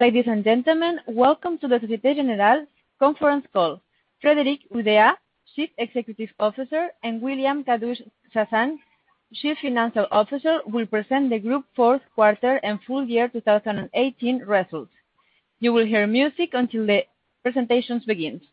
Ladies and gentlemen, welcome to the Société Générale conference call. Frédéric Oudéa, Chief Executive Officer, and William Kadouch-Chassaing, Chief Financial Officer, will present the group's fourth quarter and full year 2018 results. You will hear music until the presentation begins. Okay, great.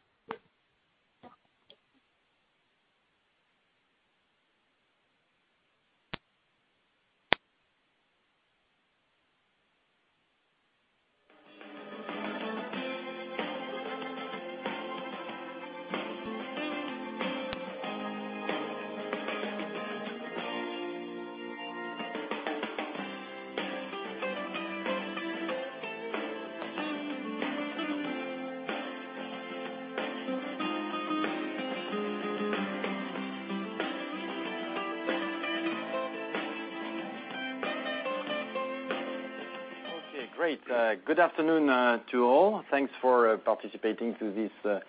Good afternoon to all. Thanks for participating to this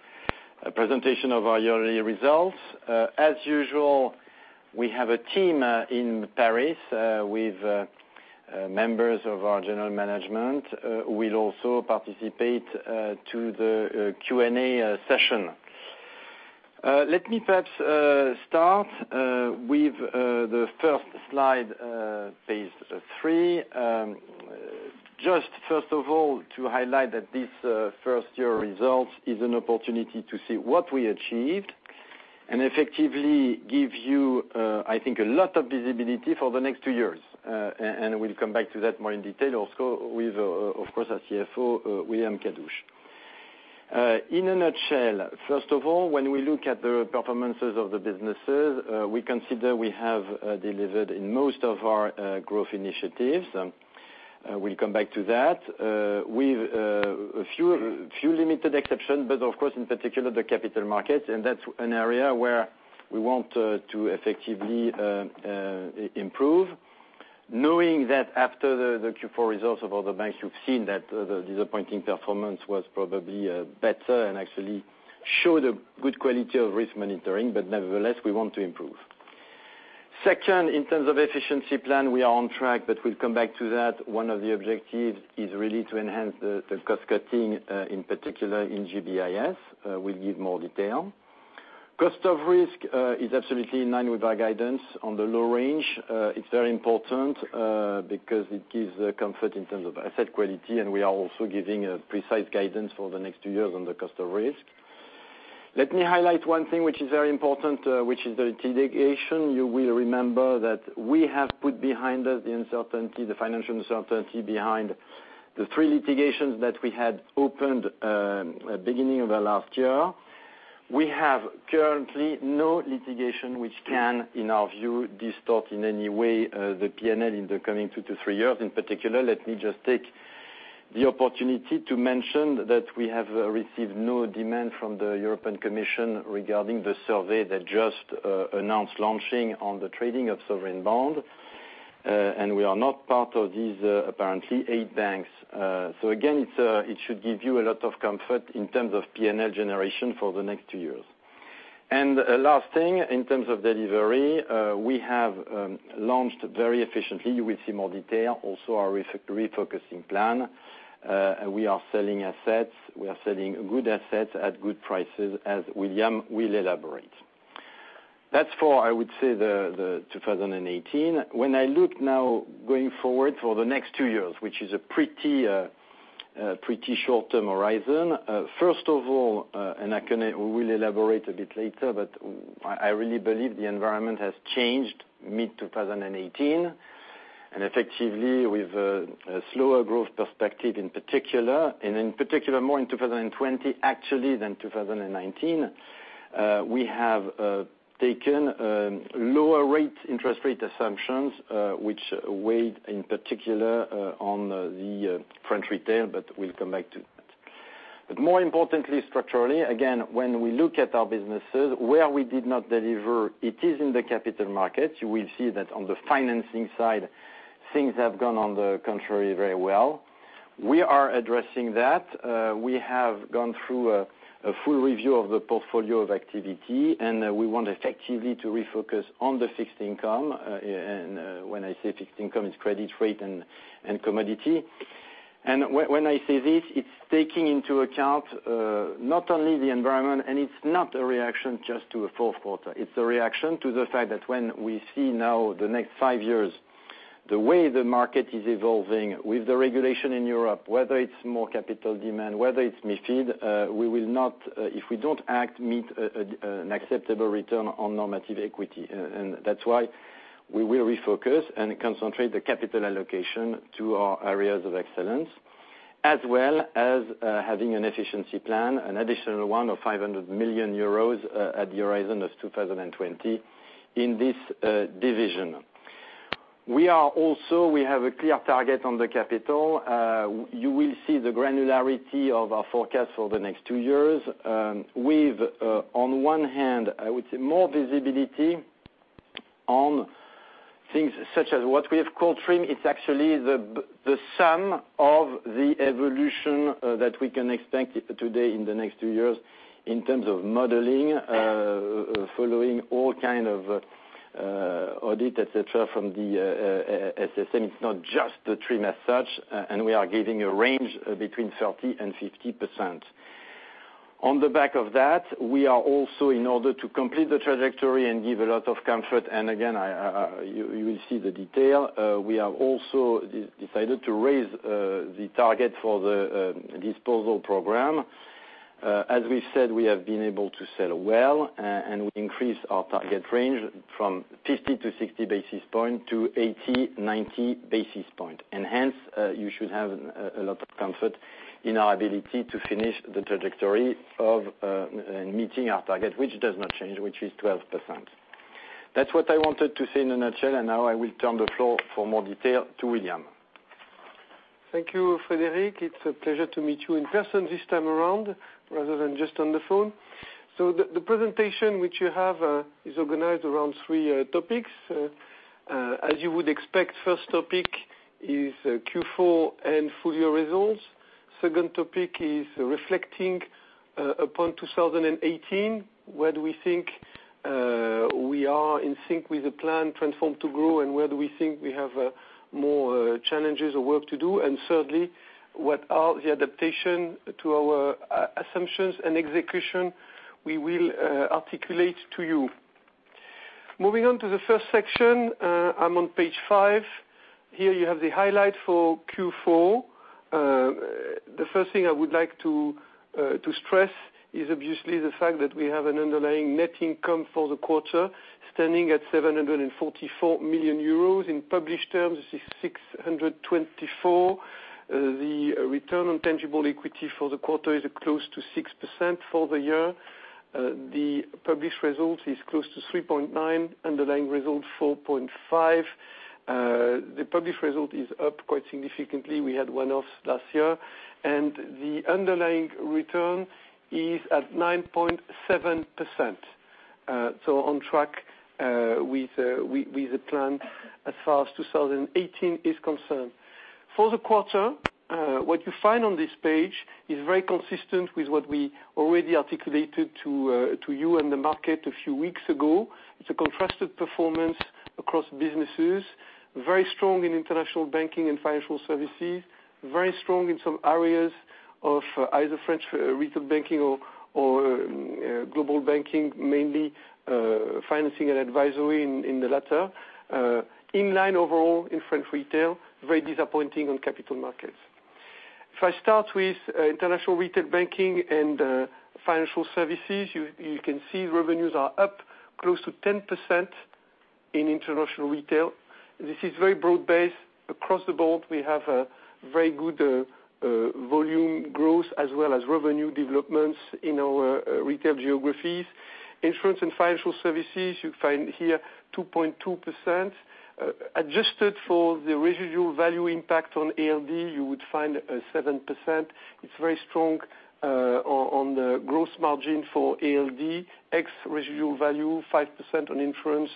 presentation of our yearly results. As usual, we have a team in Paris with members of our general management who will also participate to the Q&A session. Let me perhaps start with the first slide, page three. Just first of all, to highlight that this first-year result is an opportunity to see what we achieved and effectively give you, I think, a lot of visibility for the next two years. We'll come back to that more in detail also with, of course, our CFO, William Kadouch. In a nutshell, first of all, when we look at the performances of the businesses, we consider we have delivered in most of our growth initiatives. We'll come back to that. With a few limited exceptions, of course, in particular, the capital markets, and that's an area where we want to effectively improve. Knowing that after the Q4 results of other banks, you've seen that the disappointing performance was probably better and actually showed a good quality of risk monitoring. Nevertheless, we want to improve. Second, in terms of efficiency plan, we are on track, but we'll come back to that. One of the objectives is really to enhance the cost-cutting, in particular in GBIS. We'll give more detail. Cost of risk is absolutely in line with our guidance on the low range. It's very important, because it gives comfort in terms of asset quality, and we are also giving a precise guidance for the next two years on the cost of risk. Let me highlight one thing, which is very important, which is the litigation. You will remember that we have put behind us the financial uncertainty behind the three litigations that we had opened at the beginning of last year. We have currently no litigation which can, in our view, distort in any way the P&L in the coming two to three years. In particular, let me just take the opportunity to mention that we have received no demand from the European Commission regarding the survey they just announced launching on the trading of sovereign bonds, and we are not part of these, apparently, eight banks. Again, it should give you a lot of comfort in terms of P&L generation for the next two years. Last thing, in terms of delivery, we have launched very efficiently. You will see more detail also, our refocusing plan. We are selling assets. We are selling good assets at good prices, as William will elaborate. That's for, I would say, 2018. When I look now going forward for the next two years, which is a pretty short-term horizon. First of all, we'll elaborate a bit later, but I really believe the environment has changed mid-2018. Effectively, with a slower growth perspective in particular, and in particular more in 2020 actually than 2019, we have taken lower interest rate assumptions, which weighed in particular on the French retail, but we'll come back to that. More importantly, structurally, again, when we look at our businesses, where we did not deliver, it is in the capital markets. You will see that on the financing side, things have gone, on the contrary, very well. We are addressing that. We have gone through a full review of the portfolio of activity, and we want effectively to refocus on the fixed income. When I say fixed income, it's credit rate and commodity. When I say this, it's taking into account not only the environment, and it's not a reaction just to the fourth quarter. It's a reaction to the fact that when we see now the next five years, the way the market is evolving with the regulation in Europe, whether it's more capital demand, whether it's MiFID, if we don't act, meet an acceptable return on normative equity. That's why we will refocus and concentrate the capital allocation to our areas of excellence, as well as having an efficiency plan, an additional one of 500 million euros at the horizon of 2020 in this division. Also, we have a clear target on the capital. You will see the granularity of our forecast for the next two years with, on one hand, I would say, more visibility on things such as what we have called TRIM. It's actually the sum of the evolution that we can expect today in the next two years in terms of modeling, following all kind of audit, et cetera, from the SSM. It's not just the TRIM as such, and we are giving a range between 30% and 50%. On the back of that, we are also in order to complete the trajectory and give a lot of comfort, and again, you will see the detail. We have also decided to raise the target for the disposal program. As we've said, we have been able to sell well, and we increase our target range from 50 to 60 basis points to 80, 90 basis points. Hence, you should have a lot of comfort in our ability to finish the trajectory of meeting our target, which does not change, which is 12%. That's what I wanted to say in a nutshell, and now I will turn the floor for more detail to William. Thank you, Frédéric. It's a pleasure to meet you in person this time around, rather than just on the phone. The presentation which you have is organized around three topics. As you would expect, first topic is Q4 and full-year results. Second topic is reflecting upon 2018, where do we think we are in sync with the plan Transform to Grow, and where do we think we have more challenges or work to do? Thirdly, what are the adaptation to our assumptions and execution we will articulate to you. Moving on to the first section, I'm on page five. Here, you have the highlight for Q4. The first thing I would like to stress is obviously the fact that we have an underlying net income for the quarter, standing at 744 million euros. In published terms, this is 624 million. The return on tangible equity for the quarter is close to 6% for the year. The published result is close to 3.9%, underlying result 4.5%. The published result is up quite significantly. We had one-offs last year. The underlying return is at 9.7%, so on track with the plan as far as 2018 is concerned. For the quarter, what you find on this page is very consistent with what we already articulated to you and the market a few weeks ago. It's a contrasted performance across businesses. Very strong in International Banking and Financial Services. Very strong in some areas of either French retail banking or Global Banking, mainly Financing & Advisory in the latter. In line overall in French retail, very disappointing on capital markets. If I start with International Retail Banking and Financial Services, you can see revenues are up close to 10% in International Retail. This is very broad-based across the board. We have a very good volume growth as well as revenue developments in our retail geographies. Insurance and financial services, you find here 2.2%. Adjusted for the residual value impact on ALD, you would find 7%. It's very strong on the gross margin for ALD. X residual value, 5% on insurance,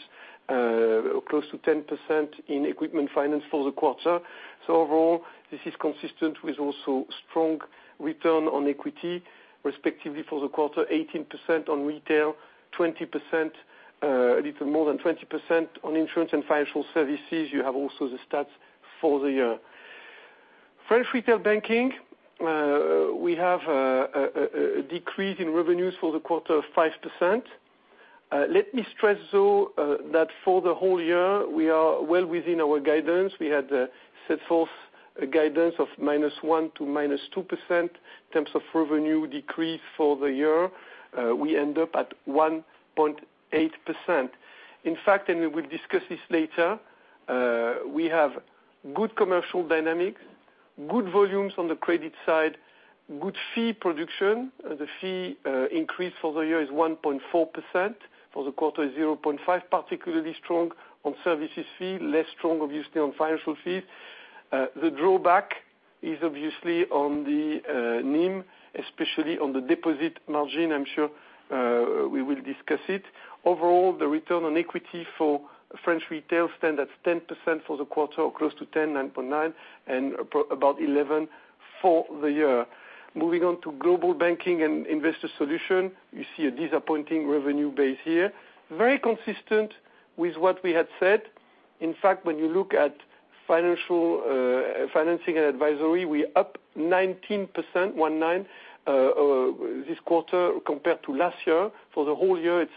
close to 10% in equipment finance for the quarter. Overall, this is consistent with also strong return on equity, respectively for the quarter, 18% on retail, a little more than 20% on insurance and financial services. You have also the stats for the year. French retail banking, we have a decrease in revenues for the quarter of 5%. Let me stress, though, that for the whole year, we are well within our guidance. We had set forth guidance of -1% to -2% in terms of revenue decrease for the year. We end up at 1.8%. In fact, we will discuss this later, we have good commercial dynamics, good volumes on the credit side, good fee production. The fee increase for the year is 1.4%, for the quarter is 0.5%, particularly strong on services fee, less strong, obviously, on financial fees. The drawback is obviously on the NIM, especially on the deposit margin. I'm sure we will discuss it. Overall, the return on equity for French retail stand at 10% for the quarter, or close to 10%, 9.9%, and about 11% for the year. Moving on to Global Banking and Investor Solutions, you see a disappointing revenue base here. Very consistent with what we had said. In fact, when you look at Financing & Advisory, we're up 19%, 19, this quarter compared to last year. For the whole year, it's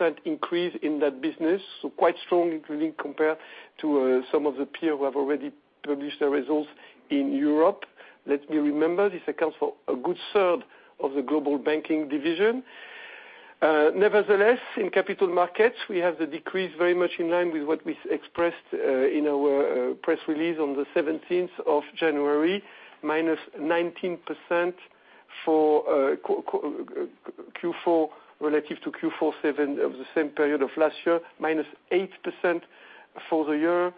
8% increase in that business. Quite strong, including compared to some of the peers who have already published their results in Europe. Let me remember, this accounts for a good third of the global banking division. Nevertheless, in capital markets, we have the decrease very much in line with what we expressed in our press release on the 17th of January, -19% for Q4 relative to Q4 of the same period of last year, -8% for the year,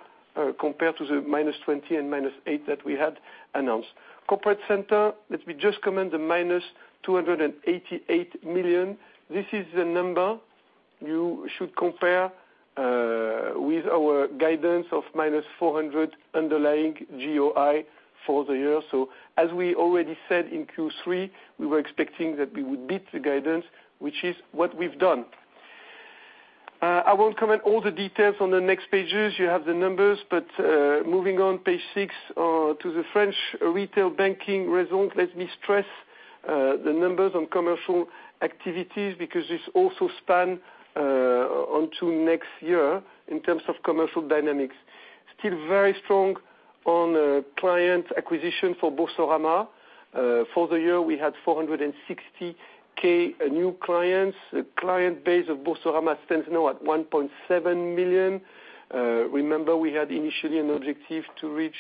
compared to the -20% and -8% that we had announced. Corporate Center, let me just comment the -288 million. This is the number you should compare with our guidance of minus 400 million underlying GOI for the year. As we already said in Q3, we were expecting that we would beat the guidance, which is what we've done. I won't comment all the details on the next pages. You have the numbers. Moving on, page six, to the French retail banking results, let me stress the numbers on commercial activities, because this also spans onto next year in terms of commercial dynamics. Still very strong on client acquisition for Boursorama. For the year, we had 460,000 new clients. Client base of Boursorama stands now at 1.7 million. Remember, we had initially an objective to reach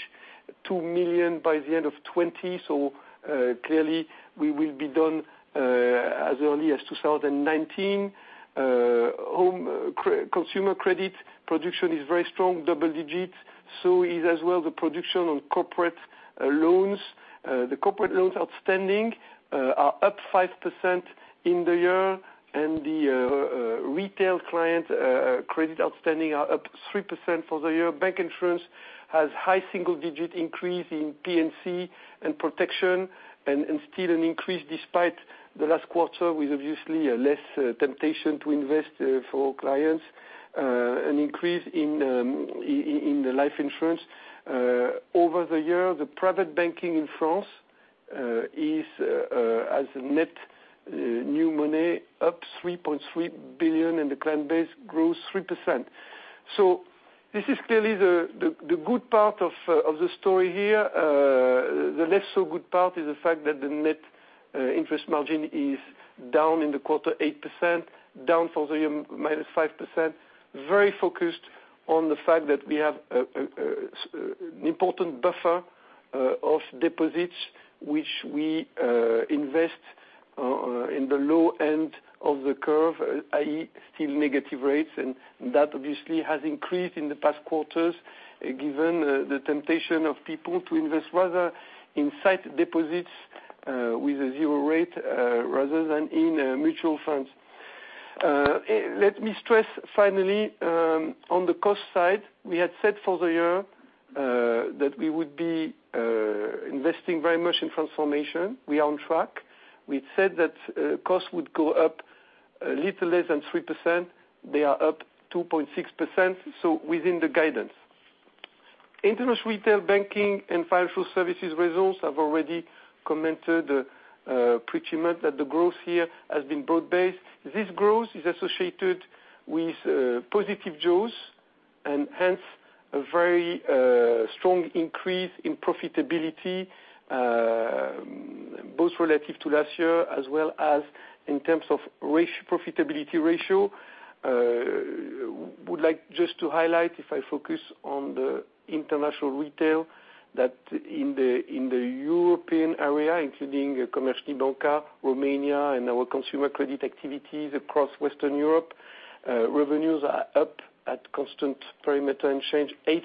2 million by the end of 2020. Clearly, we will be done as early as 2019. Home consumer credit production is very strong, double-digits. Is, as well, the production on corporate loans. The corporate loans outstanding are up 5% in the year, and the retail client credit outstanding are up 3% for the year. Bank insurance has high single-digit increase in P&C and protection, and still an increase despite the last quarter with, obviously, less temptation to invest for our clients. An increase in the life insurance. Over the year, the private banking in France has a net new money up 3.3 billion, and the client base grows 3%. This is clearly the good part of the story here. The less so good part is the fact that the net interest margin is down in the quarter 8%, down for the year -5%. Very focused on the fact that we have an important buffer of deposits, which we invest in the low end of the curve, i.e., still negative rates, and that obviously has increased in the past quarters given the temptation of people to invest rather in sight deposits with a zero rate rather than in mutual funds. Let me stress, finally, on the cost side, we had said for the year that we would be investing very much in transformation. We are on track. We said that cost would go up a little less than 3%. They are up 2.6%, within the guidance. International Retail Banking and Financial Services results, I've already commented pretty much that the growth here has been broad-based. This growth is associated with positive jaws, and hence, a very strong increase in profitability, both relative to last year, as well as in terms of profitability ratio. Would like just to highlight, if I focus on the International Retail, that in the European area, including Commerzbank, Romania, and our consumer credit activities across Western Europe, revenues are up at constant perimeter and change 8%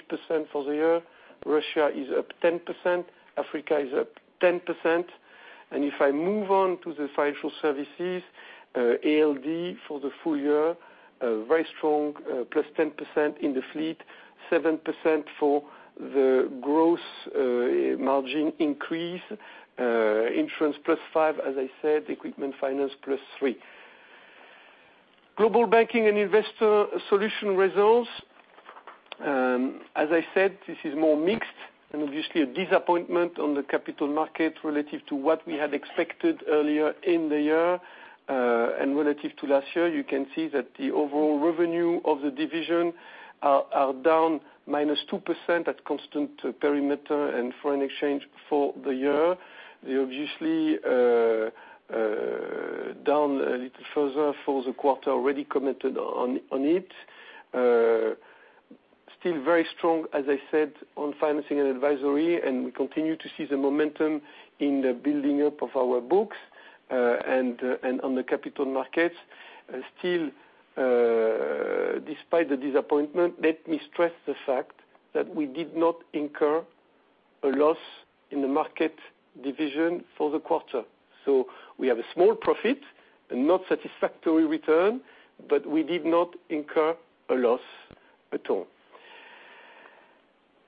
for the year. Russia is up 10%, Africa is up 10%. If I move on to the financial services, ALD for the full year, very strong, +10% in the fleet, 7% for the gross margin increase, insurance +5%, as I said, equipment finance +3%. Global Banking and Investor Solutions results. As I said, this is more mixed, obviously a disappointment on the capital market relative to what we had expected earlier in the year. Relative to last year, you can see that the overall revenue of the division are down -2% at constant perimeter and foreign exchange for the year. They're obviously down a little further for the quarter. Already commented on it. Still very strong, as I said, on Financing & Advisory, and we continue to see the momentum in the building up of our books and on the capital markets. Still, despite the disappointment, let me stress the fact that we did not incur a loss in the market division for the quarter. We have a small profit and not satisfactory return, but we did not incur a loss at all.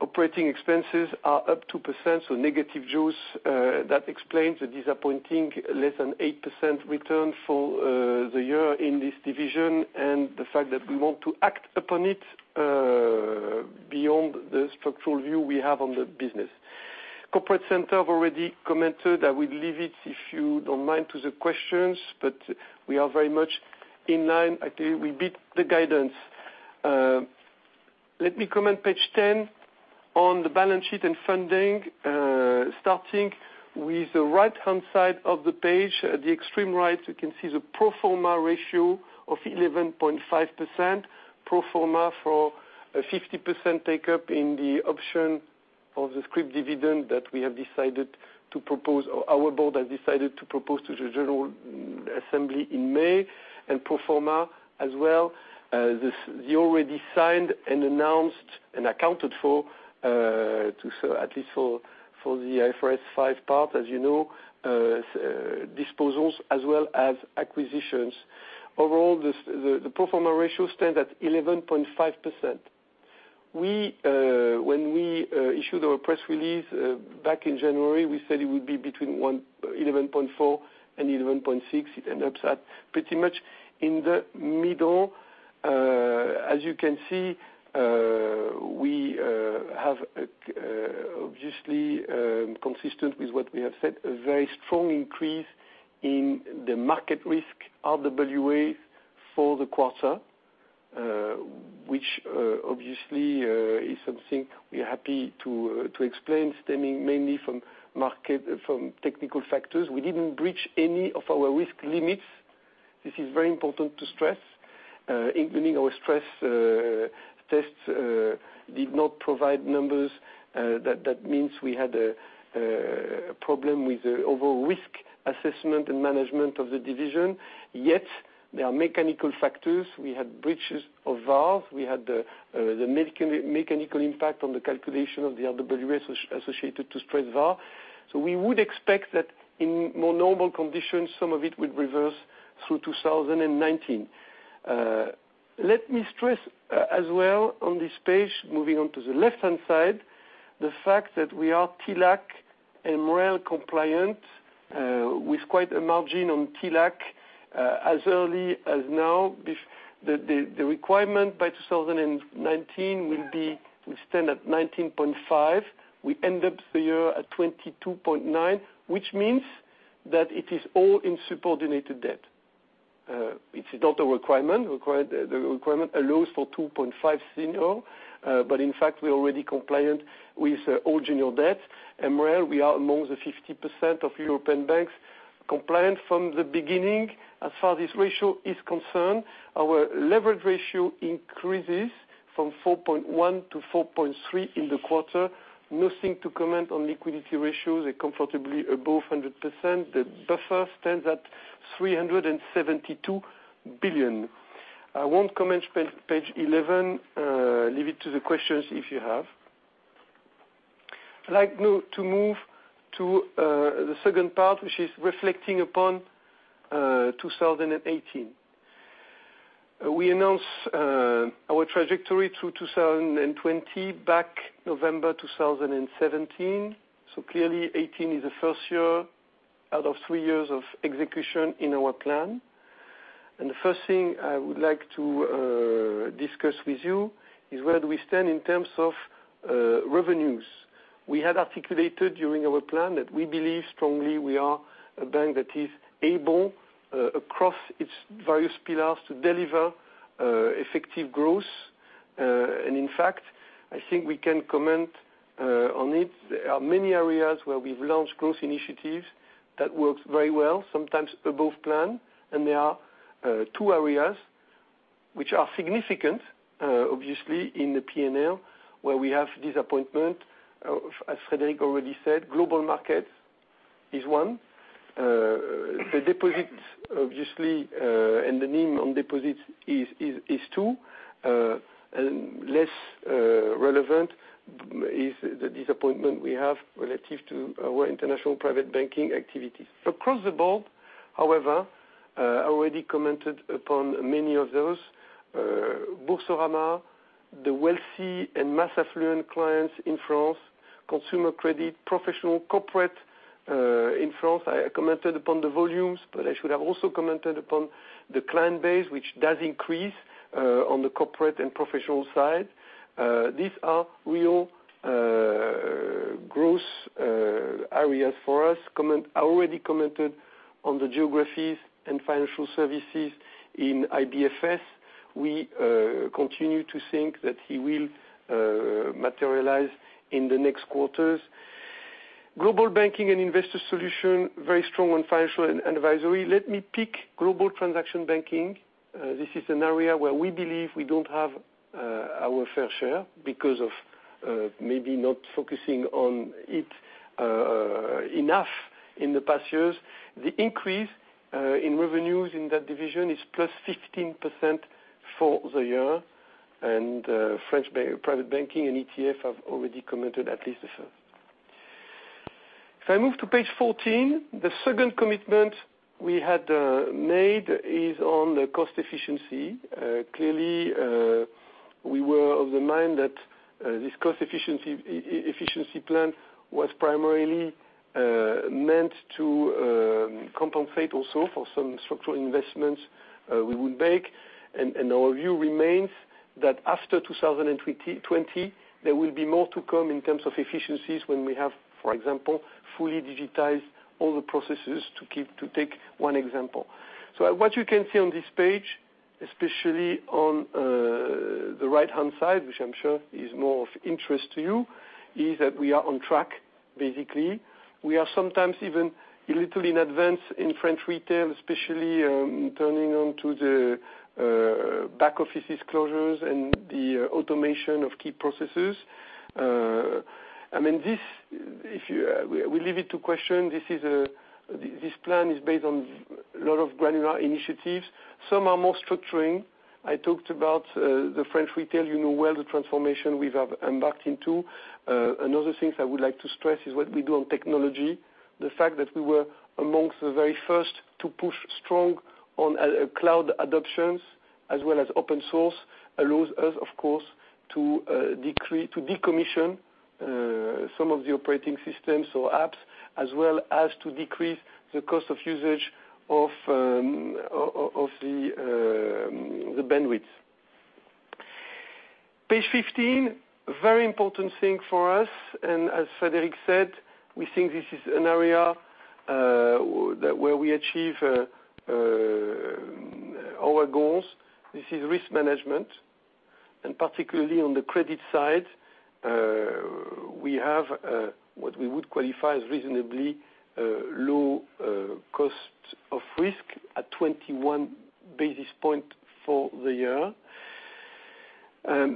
Operating expenses are up 2%, negative jaws. That explains the disappointing less than 8% return for the year in this division and the fact that we want to act upon it beyond the structural view we have on the business. Corporate Center, I've already commented. I will leave it, if you don't mind, to the questions, but we are very much in line. I tell you, we beat the guidance. Let me comment, page 10, on the balance sheet and funding, starting with the right-hand side of the page. At the extreme right, you can see the pro forma ratio of 11.5%, pro forma for a 50% take-up in the option of the scrip dividend that our board has decided to propose to the general assembly in May, and pro forma as well, the already signed and announced and accounted for, at least for the IFRS 5 part, as you know, disposals as well as acquisitions. Overall, the pro forma ratio stands at 11.5%. When we issued our press release back in January, we said it would be between 11.4% and 11.6%. It ends up at pretty much in the middle. As you can see, we have obviously, consistent with what we have said, a very strong increase in the market risk RWA for the quarter, which obviously is something we are happy to explain, stemming mainly from technical factors. We didn't breach any of our risk limits. This is very important to stress. Including our stress tests did not provide numbers that means we had a problem with the overall risk assessment and management of the division. Yet, there are mechanical factors. We had breaches of VaR. We had the mechanical impact on the calculation of the RWA associated to Stressed VaR. We would expect that in more normal conditions, some of it would reverse through 2019. Let me stress as well on this page, moving on to the left-hand side, the fact that we are TLAC and MREL compliant with quite a margin on TLAC. As early as now, the requirement by 2019 will stand at 19.5%. We end up the year at 22.9%, which means that it is all in subordinated debt. It's not a requirement. The requirement allows for 2.5% senior. In fact, we're already compliant with all junior debt. MREL, we are among the 50% of European banks compliant from the beginning. As far as this ratio is concerned, our leverage ratio increases from 4.1% to 4.3% in the quarter. Nothing to comment on liquidity ratios. They are comfortably above 100%. The buffer stands at 372 billion. I will not comment page 11. Leave it to the questions, if you have. I would like now to move to the second part, which is reflecting upon 2018. We announced our trajectory through 2020 back November 2017. Clearly, 2018 is the first year out of three years of execution in our plan. The first thing I would like to discuss with you is where do we stand in terms of revenues. We had articulated during our plan that we believe strongly we are a bank that is able, across its various pillars, to deliver effective growth. In fact, I think we can comment on it. There are many areas where we have launched growth initiatives that works very well, sometimes above plan. There are two areas which are significant, obviously, in the P&L, where we have disappointment. As Frédéric already said, Global Markets is one. The deposits, obviously, and the NIM on deposits is two. Less relevant is the disappointment we have relative to our international private banking activities. Across the board, however, I already commented upon many of those. Boursorama, the wealthy and mass affluent clients in France, consumer credit, professional corporate in France. I commented upon the volumes, but I should have also commented upon the client base, which does increase on the corporate and professional side. These are real growth areas for us. I already commented on the geographies and financial services in IBFS. We continue to think that it will materialize in the next quarters. Global Banking and Investor Solutions, very strong on Financing & Advisory. Let me pick global transaction banking. This is an area where we believe we do not have our fair share because of maybe not focusing on it enough in the past years. The increase in revenues in that division is +15% for the year. French private banking and ETF, I have already commented at least the first. If I move to page 14, the second commitment we had made is on the cost efficiency. Clearly, we were of the mind that this cost efficiency plan was primarily meant to compensate also for some structural investments we would make. Our view remains that after 2020, there will be more to come in terms of efficiencies when we have, for example, fully digitized all the processes to take one example. What you can see on this page, especially on the right-hand side, which I am sure is more of interest to you, is that we are on track, basically. We are sometimes even a little in advance in French Retail, especially turning on to the back office disclosures and the automation of key processes. I mean, we leave it to question. This plan is based on a lot of granular initiatives. Some are more structuring. I talked about the French Retail, you know well the transformation we have embarked into. Another thing I would like to stress is what we do on technology. The fact that we were amongst the very first to push strong on cloud adoptions, as well as open source, allows us, of course, to decommission some of the operating systems or apps, as well as to decrease the cost of usage of the bandwidth. Page 15, very important thing for us, and as Frédéric said, we think this is an area where we achieve our goals. This is risk management, and particularly on the credit side. We have what we would qualify as reasonably low cost of risk at 21 basis points for the year.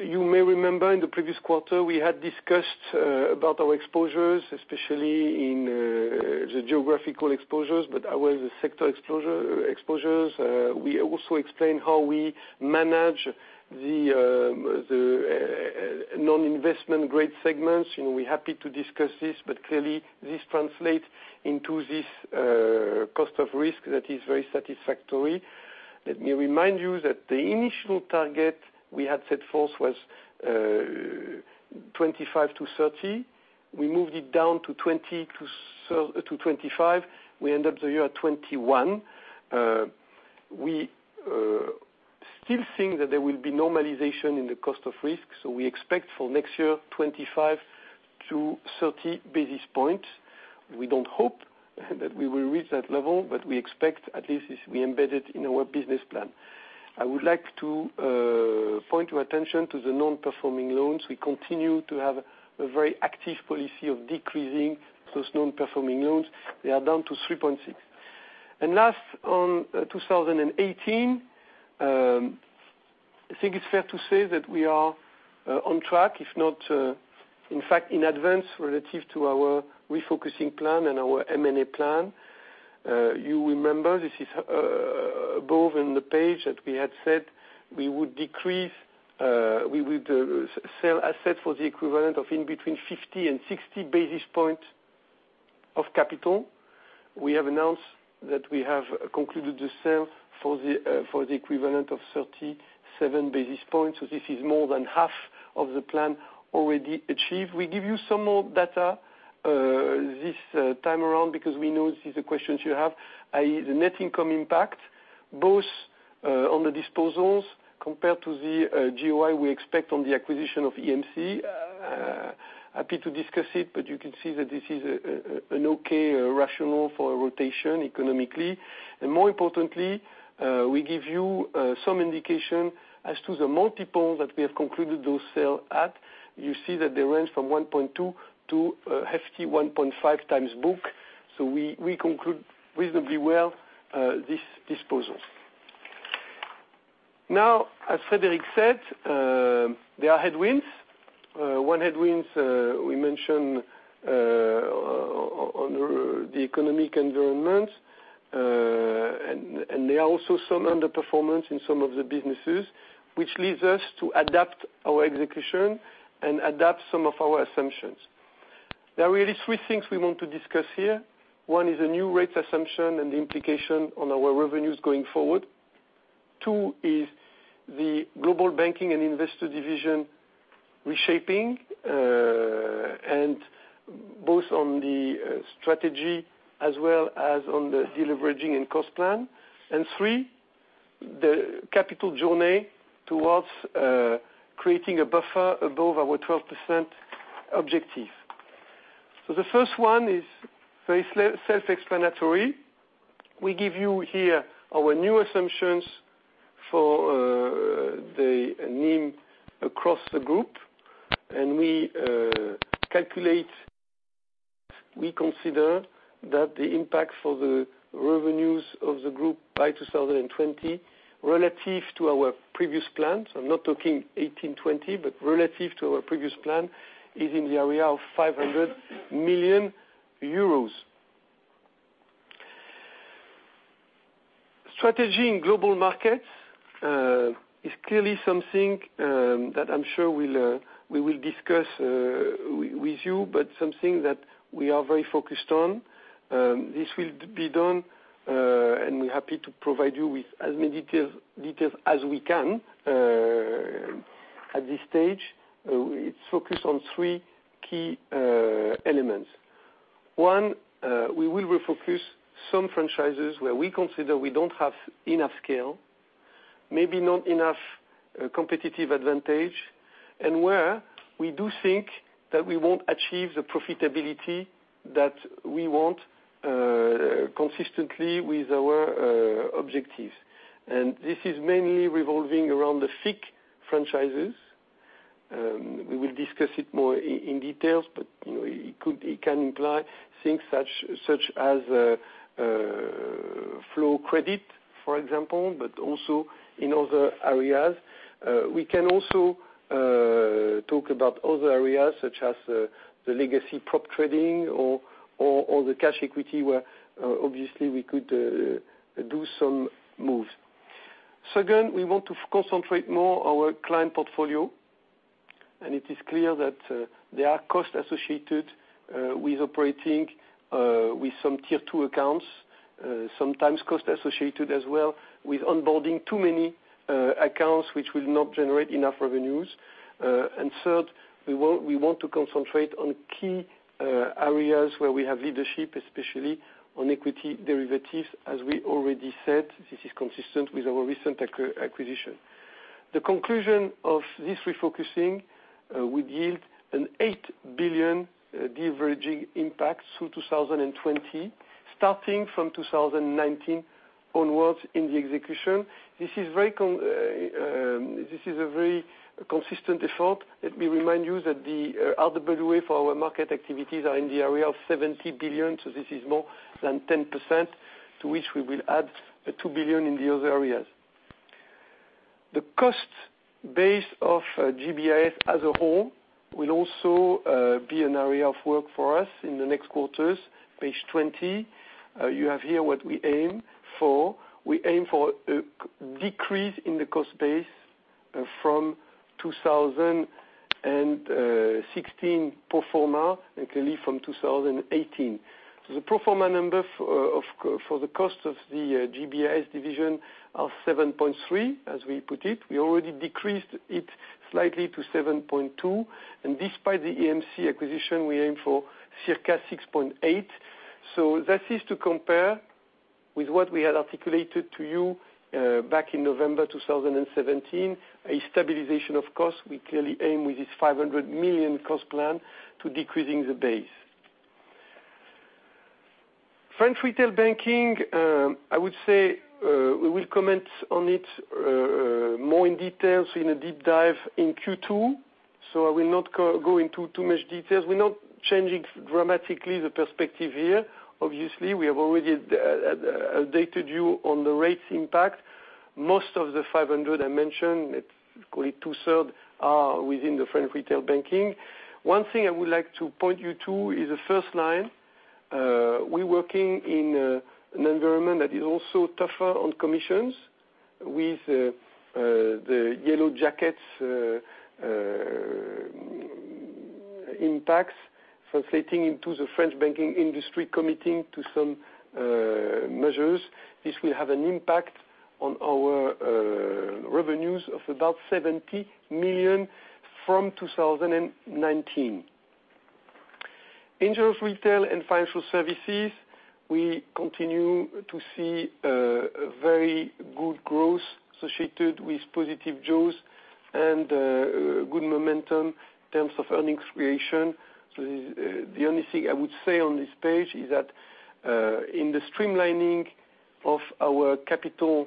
You may remember in the previous quarter, we had discussed about our exposures, especially in the geographical exposures, but our sector exposures. We also explained how we manage the non-investment grade segments, and we are happy to discuss this. But clearly, this translates into this cost of risk that is very satisfactory. Let me remind you that the initial target we had set forth was 25-30. We moved it down to 20-25. We end up the year at 21. We still think that there will be normalization in the cost of risk. So we expect for next year 25-30 basis points. We do not hope that we will reach that level, but we expect at least it be embedded in our business plan. I would like to point your attention to the non-performing loans. We continue to have a very active policy of decreasing those non-performing loans. They are down to 3.6. And last, on 2018, I think it is fair to say that we are on track, if not, in fact, in advance relative to our Transform to Grow plan and our M&A plan. You remember, this is above in the page that we had said we would sell assets for the equivalent of in between 50 and 60 basis points of capital. We have announced that we have concluded the sale for the equivalent of 37 basis points. So this is more than half of the plan already achieved. We give you some more data this time around because we know this is the questions you have, i.e., the net income impact, both on the disposals compared to the GOI we expect on the acquisition of Equity Markets and Commodities. Happy to discuss it, but you can see that this is an okay rationale for a rotation economically. And more importantly, we give you some indication as to the multiples that we have concluded those sales at. You see that they range from 1.2x to a hefty 1.5x book. We conclude reasonably well these disposals. Now, as Frédéric said, there are headwinds. One headwind we mentioned on the economic environment. And there are also some underperformance in some of the businesses, which leads us to adapt our execution and adapt some of our assumptions. There are really three things we want to discuss here. One is a new rate assumption and the implication on our revenues going forward. Two is the Global Banking and Investor Solutions division reshaping, and both on the strategy as well as on the deleveraging and cost plan. And three, the capital journey towards creating a buffer above our 12% objective. The first one is very self-explanatory. We give you here our new assumptions for the NIM across the group. We calculate, we consider that the impact for the revenues of the group by 2020 relative to our previous plan, so I'm not talking 2018, 2020, but relative to our previous plan, is in the area of 500 million euros. Strategy in global markets is clearly something that I'm sure we will discuss with you, but something that we are very focused on. This will be done, and we're happy to provide you with as many details as we can. At this stage, it's focused on three key elements. One, we will refocus some franchises where we consider we don't have enough scale, maybe not enough competitive advantage, and where we do think that we won't achieve the profitability that we want consistently with our objectives. This is mainly revolving around the FIC franchises. We will discuss it more in detail. It can imply things such as flow credit, for example, but also in other areas. We can also talk about other areas such as the legacy prop trading or the cash equity where obviously we could do some moves. Second, we want to concentrate more our client portfolio, and it is clear that there are costs associated with operating with some Tier 2 accounts, sometimes costs associated as well with onboarding too many accounts which will not generate enough revenues. Third, we want to concentrate on key areas where we have leadership, especially on equity derivatives. As we already said, this is consistent with our recent acquisition. The conclusion of this refocusing would yield an 8 billion diverging impact through 2020, starting from 2019 onwards in the execution. This is a very consistent effort. Let me remind you that the RWA for our market activities are in the area of 70 billion. This is more than 10%, to which we will add the 2 billion in the other areas. The cost base of GBIS as a whole will also be an area of work for us in the next quarters. Page 20, you have here what we aim for. We aim for a decrease in the cost base from 2016 pro forma, and clearly from 2018. The pro forma number for the cost of the GBIS division are 7.3, as we put it. We already decreased it slightly to 7.2, and despite the EMC acquisition, we aim for circa 6.8. That is to compare with what we had articulated to you back in November 2017, a stabilization of cost. We clearly aim with this 500 million cost plan to decreasing the base. French retail banking, I would say we will comment on it more in details in a deep dive in Q2, so I will not go into too much details. We're not changing dramatically the perspective here. Obviously, we have already updated you on the rates impact. Most of the 500 I mentioned, let's call it two-third, are within the French retail banking. One thing I would like to point you to is the first line. We're working in an environment that is also tougher on commissions with the yellow jackets impacts translating into the French banking industry committing to some measures. This will have an impact on our revenues of about 70 million from 2019. International retail and financial services, we continue to see very good growth associated with positive jaws and good momentum in terms of earnings creation. The only thing I would say on this page is that in the streamlining of our capital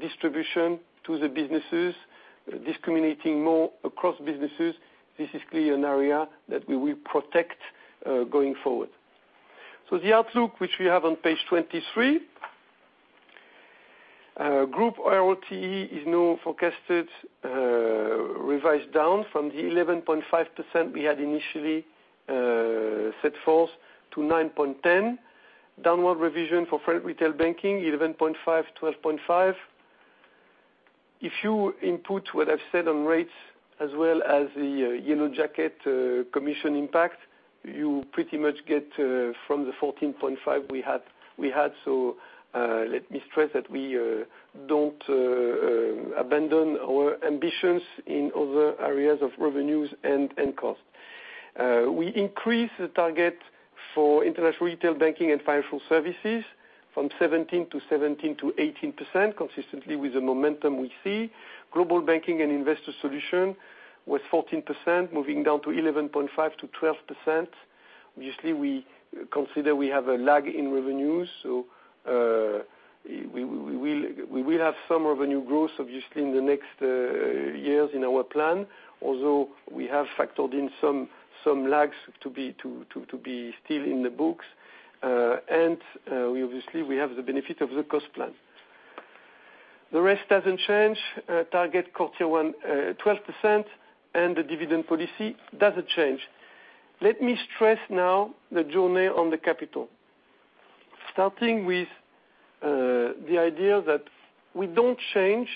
distribution to the businesses, discriminating more across businesses, this is clearly an area that we will protect going forward. The outlook, which we have on page 23. Group RoTE is now forecasted revised down from the 11.5% we had initially set forth to 9.10%. Downward revision for French retail banking, 11.5%-12.5%. If you input what I've said on rates as well as the yellow jackets commission impact, you pretty much get from the 14.5% we had. Let me stress that we don't abandon our ambitions in other areas of revenues and cost. We increase the target for International Banking and Financial Services from 17%-18%, consistently with the momentum we see. Global Banking and Investor Solutions was 14%, moving down to 11.5%-12%. Obviously, we consider we have a lag in revenues, we will have some revenue growth, obviously, in the next years in our plan, although we have factored in some lags to be still in the books. Obviously, we have the benefit of the cost plan. The rest doesn't change. Target CET1, 12%, and the dividend policy doesn't change. Let me stress now the journey on the capital. Starting with the idea that we don't change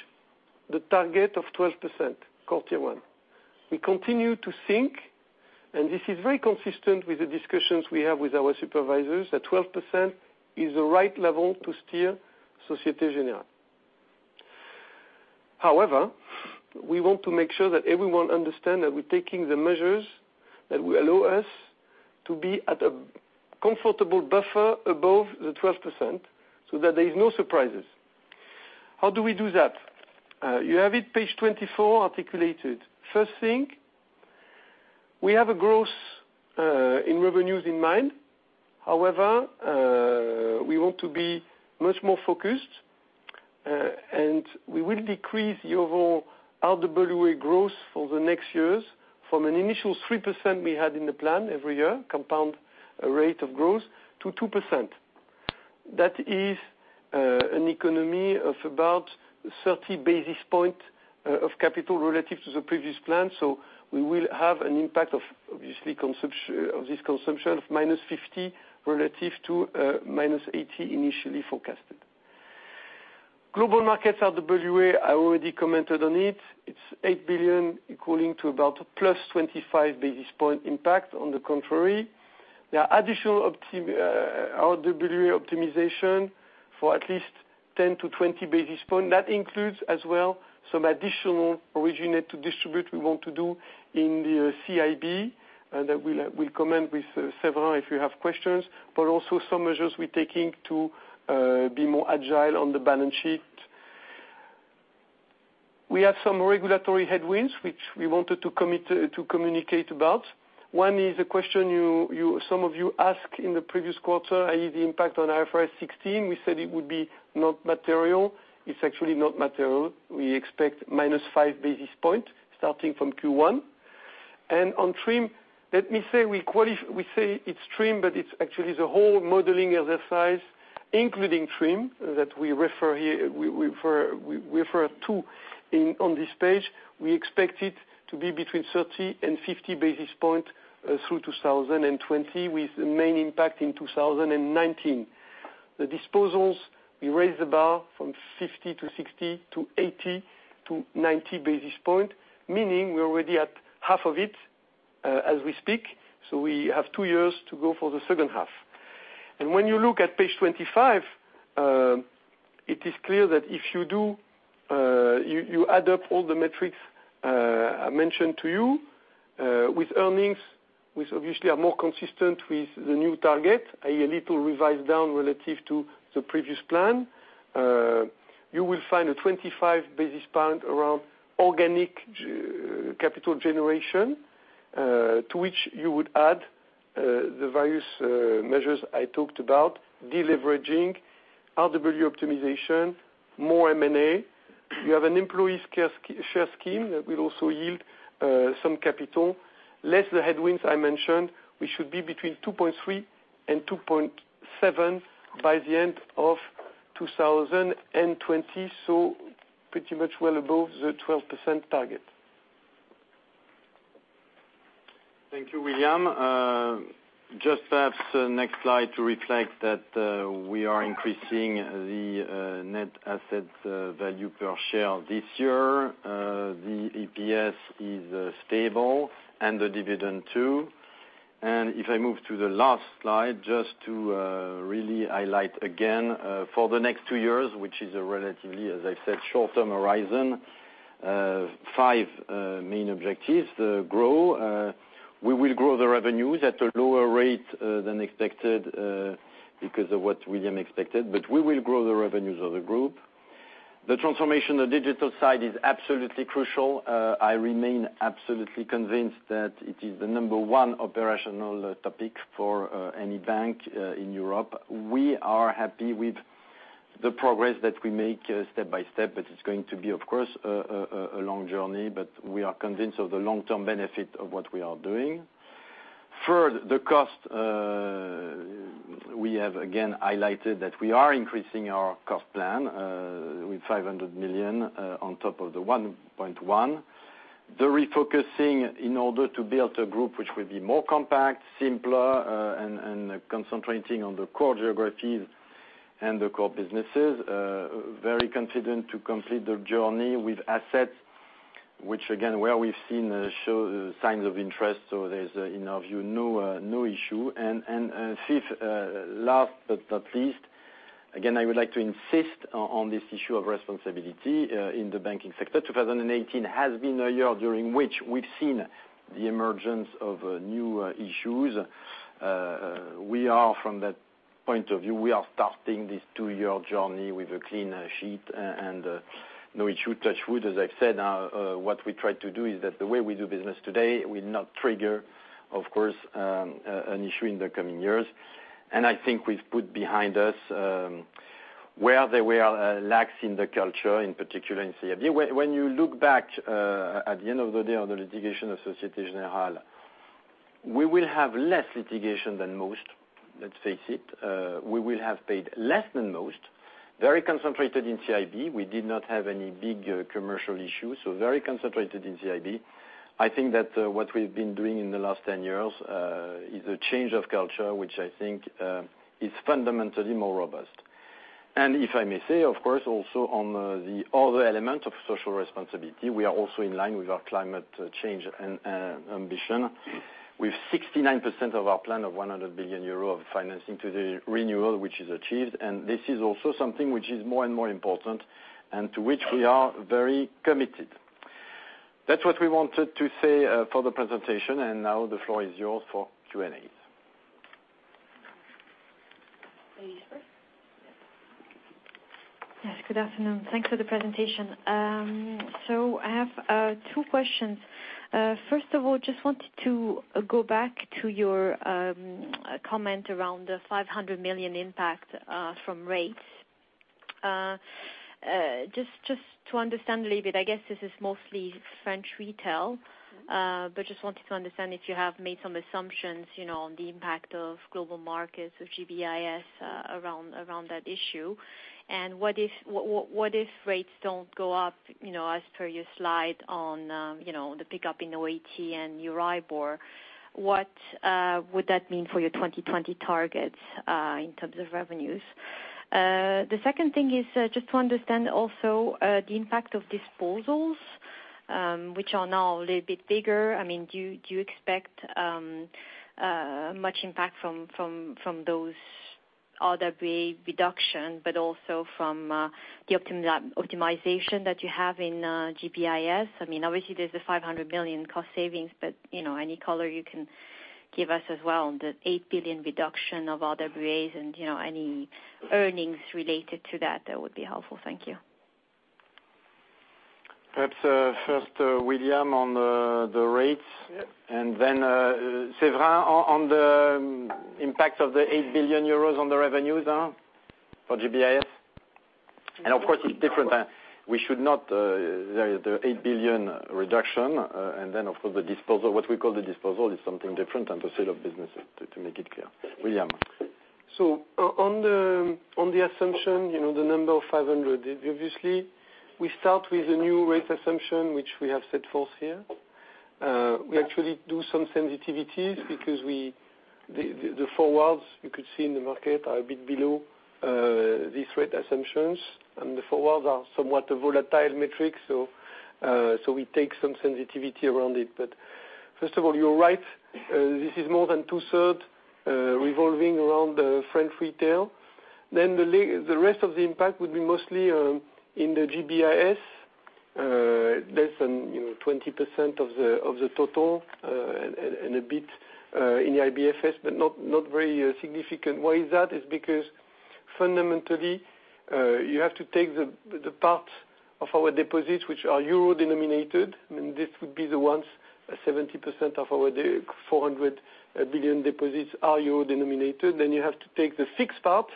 the target of 12% CET1. We continue to think, and this is very consistent with the discussions we have with our supervisors, that 12% is the right level to steer Société Générale. However, we want to make sure that everyone understand that we're taking the measures that will allow us to be at a comfortable buffer above the 12%, that there is no surprises. How do we do that? You have it, page 24, articulated. First thing, we have a growth in revenues in mind. However, we want to be much more focused, and we will decrease overall RWA growth for the next years from an initial 3% we had in the plan every year, compound rate of growth, to 2%. That is an economy of about 30 basis point of capital relative to the previous plan. We will have an impact of, obviously, of this consumption of -50 relative to -80 initially forecasted. Global markets RWA, I already commented on it. It's 8 billion equaling to about +25 basis point impact, on the contrary. There are additional RWA optimization for at least 10-20 basis point. That includes, as well, some additional originate to distribute we want to do in the CIB, and I will comment with Séverin if you have questions, but also some measures we're taking to be more agile on the balance sheet. We have some regulatory headwinds, which we wanted to communicate about. One is a question some of you asked in the previous quarter, i.e., the impact on IFRS 16. We said it would be not material. It's actually not material. We expect -5 basis point starting from Q1. On TRIM, let me say, we say it's TRIM, but it's actually the whole modeling exercise, including TRIM, that we refer to on this page. We expect it to be between 30 and 50 basis point, through 2020, with the main impact in 2019. The disposals, we raised the bar from 50 to 60 to 80 to 90 basis points, meaning we're already at half of it, as we speak. We have two years to go for the second half. When you look at page 25, it is clear that if you add up all the metrics I mentioned to you, with earnings, which obviously are more consistent with the new target, i.e., a little revised down relative to the previous plan. You will find a 25 basis points around organic capital generation, to which you would add the various measures I talked about, deleveraging, RWA optimization, more M&A. You have an employee share scheme that will also yield some capital. Less the headwinds I mentioned, we should be between 2.3% and 2.7% by the end of 2020, so pretty much well above the 12% target. Thank you, William. Just perhaps next slide to reflect that we are increasing the net assets value per share this year. The EPS is stable and the dividend too. If I move to the last slide, just to really highlight again, for the next two years, which is a relatively, as I said, short-term horizon, five main objectives. Grow. We will grow the revenues at a lower rate than expected, because of what William expected, but we will grow the revenues of the group. The transformation, the digital side is absolutely crucial. I remain absolutely convinced that it is the number 1 operational topic for any bank in Europe. We are happy with the progress that we make step by step, but it's going to be, of course, a long journey, but we are convinced of the long-term benefit of what we are doing. Third, the cost. We have, again, highlighted that we are increasing our cost plan, with 500 million on top of the 1.1 billion. The refocusing in order to build a group which will be more compact, simpler, and concentrating on the core geographies and the core businesses. Very confident to complete the journey with assets, which again, where we've seen signs of interest, so there's, in our view, no issue. Fifth, last but not least, again, I would like to insist on this issue of responsibility in the banking sector. 2018 has been a year during which we've seen the emergence of new issues. From that point of view, we are starting this two-year journey with a clean sheet and no issue, touch wood, as I've said. What we try to do is that the way we do business today will not trigger, of course, an issue in the coming years. I think we've put behind us, where there were lacks in the culture, in particular in CIB. When you look back, at the end of the day, on the litigation of Société Générale, we will have less litigation than most, let's face it. We will have paid less than most. Very concentrated in CIB. We did not have any big commercial issues, so very concentrated in CIB. I think that what we've been doing in the last 10 years is a change of culture, which I think is fundamentally more robust. If I may say, of course, also on the other element of social responsibility, we are also in line with our climate change ambition, with 69% of our plan of 100 billion euro of financing to the renewal, which is achieved. This is also something which is more and more important, to which we are very committed. That's what we wanted to say for the presentation. Now the floor is yours for Q&As. Ladies first. Yes, good afternoon. Thanks for the presentation. I have two questions. First of all, just wanted to go back to your comment around the 500 million impact from rates. Just to understand a little bit, I guess this is mostly French retail, but just wanted to understand if you have made some assumptions, on the impact of global markets with GBIS around that issue. What if rates don't go up, as per your slide on the pickup in OAT and EURIBOR, what would that mean for your 2020 targets, in terms of revenues? Second thing is just to understand also the impact of disposals, which are now a little bit bigger. Do you expect much impact from those RWA reduction, but also from the optimization that you have in GBIS? Obviously, there's a 500 million cost savings, but any color you can give us as well on the 8 billion reduction of RWAs and any earnings related to that would be helpful. Thank you. Perhaps, first, William, on the rates. Yeah. Then, Séverin, on the impact of the 8 billion euros on the revenues for GBIS. Of course, it's different. The 8 billion reduction, and then, of course, what we call the disposal is something different than the sale of business, to make it clear. William. On the assumption, the number 500, obviously, we start with the new rate assumption, which we have set forth here. We actually do some sensitivities because the forwards you could see in the market are a bit below these rate assumptions, and the forwards are somewhat a volatile metric, so we take some sensitivity around it. First of all, you're right, this is more than two-thirds revolving around the French retail. The rest of the impact would be mostly in the GBIS, less than 20% of the total, and a bit in the IBFS, but not very significant. Why is that? It's because fundamentally, you have to take the part of our deposits, which are euro-denominated, and this would be the ones, 70% of our 400 billion deposits are euro-denominated. You have to take the fixed part.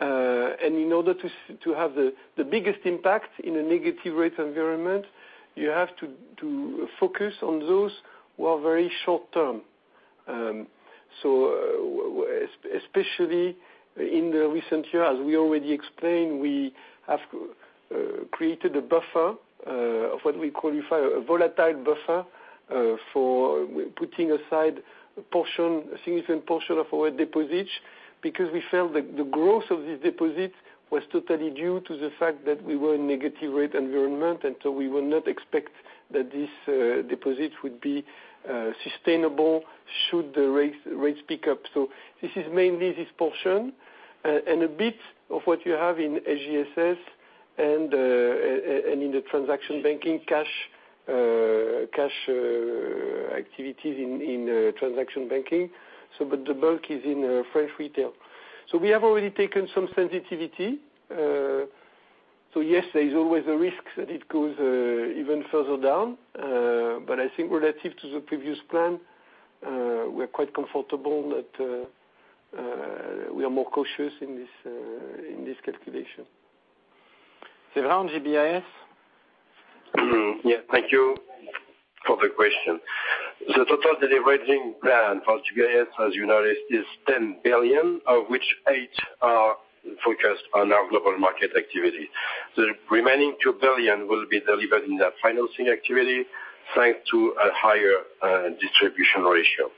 In order to have the biggest impact in a negative rate environment, you have to focus on those who are very short-term. Especially in the recent year, as we already explained, we have created a buffer, what we call a volatile buffer, for putting aside a significant portion of our deposits, because we felt the growth of these deposits was totally due to the fact that we were in negative rate environment, and so we will not expect that these deposits would be sustainable should the rates pick up. This is mainly this portion, and a bit of what you have in GBIS and in the transaction banking cash activities in transaction banking. The bulk is in French retail. We have already taken some sensitivity. Yes, there is always a risk that it goes even further down. I think relative to the previous plan, we're quite comfortable that we are more cautious in this calculation. Séverin, GBIS? Yes. Thank you for the question. The total deleveraging plan for GBIS, as you know, is 10 billion, of which eight are forecast on our global market activity. The remaining 2 billion will be delivered in the financing activity, thanks to a higher distribution ratio.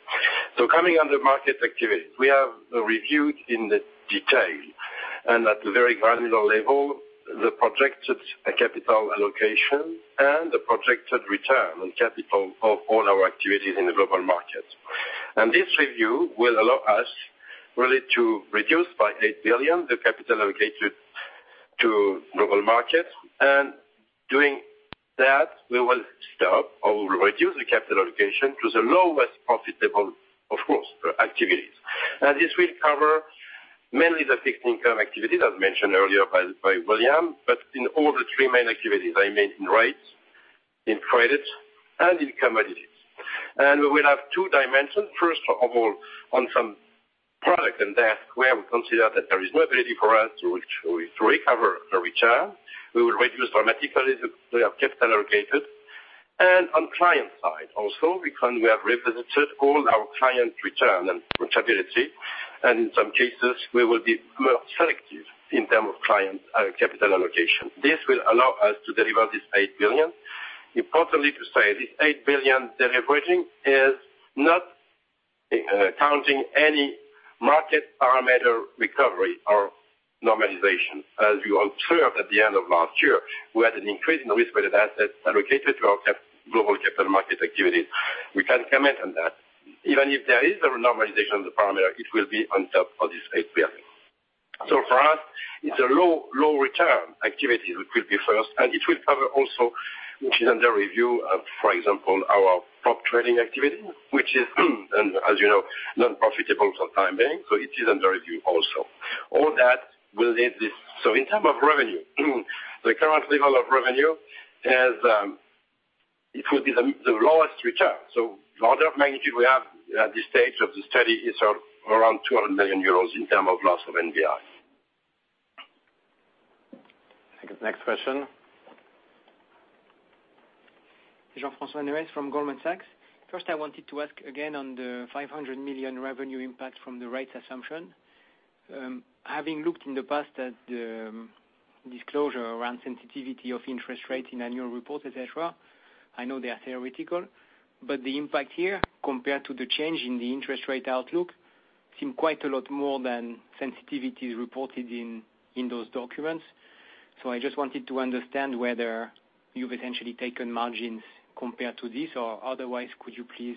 Coming on the market activity, we have reviewed in the detail, and at a very granular level, the projected capital allocation and the projected return on capital of all our activities in the global market. This review will allow us really to reduce by 8 billion the capital allocated to global markets. Doing that, we will stop or reduce the capital allocation to the lowest profitable, of course, activities. This will cover mainly the fixed income activity, as mentioned earlier by William, but in all the three main activities, I mention rates, in credit, and in commodities. We will have two dimensions. First of all, on some product, and that where we consider that there is no ability for us to recover the return, we will reduce dramatically the capital allocated. On client side also, because we have revisited all our client return and profitability, and in some cases, we will be more selective in term of client capital allocation. This will allow us to deliver this 8 billion. Importantly to say, this 8 billion deleveraging is not counting any market parameter recovery or normalization, as you observed at the end of last year, we had an increase in the risk-weighted assets allocated to our global capital market activity. We can comment on that. Even if there is a normalization of the parameter, it will be on top of this 8 billion. For us, it's a low return activities which will be first, it will cover also, which is under review, for example, our prop trading activity, which is, as you know, not profitable for the time being, it is under review also. All that will need this. In terms of revenue, the current level of revenue, it will be the lowest return. The order of magnitude we have at this stage of the study is around 200 million euros in terms of loss of NBI. I think next question. Jean-Francois Neuez from Goldman Sachs. I wanted to ask again on the 500 million revenue impact from the rates assumption. Having looked in the past at the disclosure around sensitivity of interest rate in annual report, et cetera, I know they are theoretical, but the impact here compared to the change in the interest rate outlook seem quite a lot more than sensitivity reported in those documents. I just wanted to understand whether you've essentially taken margins compared to this, or otherwise, could you please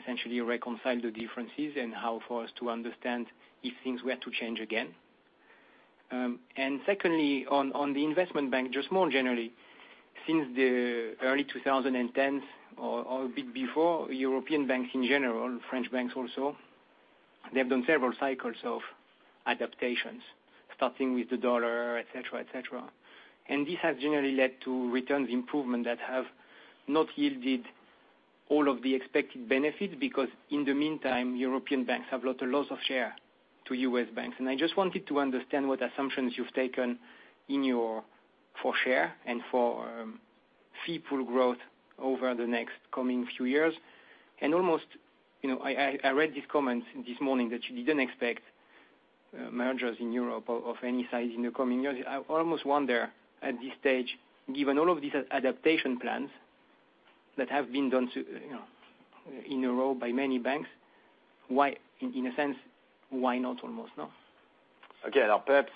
essentially reconcile the differences and how for us to understand if things were to change again? Secondly, on the investment bank, just more generally, since the early 2010s or a bit before, European banks in general, French banks also, they've done several cycles of adaptations, starting with the dollar, et cetera. This has generally led to returns improvement that have not yielded all of the expected benefits because in the meantime, European banks have lost lots of share to U.S. banks. I just wanted to understand what assumptions you've taken for share and for fee pool growth over the next coming few years. I read these comments this morning that you didn't expect mergers in Europe of any size in the coming years. I almost wonder at this stage, given all of these adaptation plans that have been done in a row by many banks, in a sense, why not almost now? Okay. Perhaps,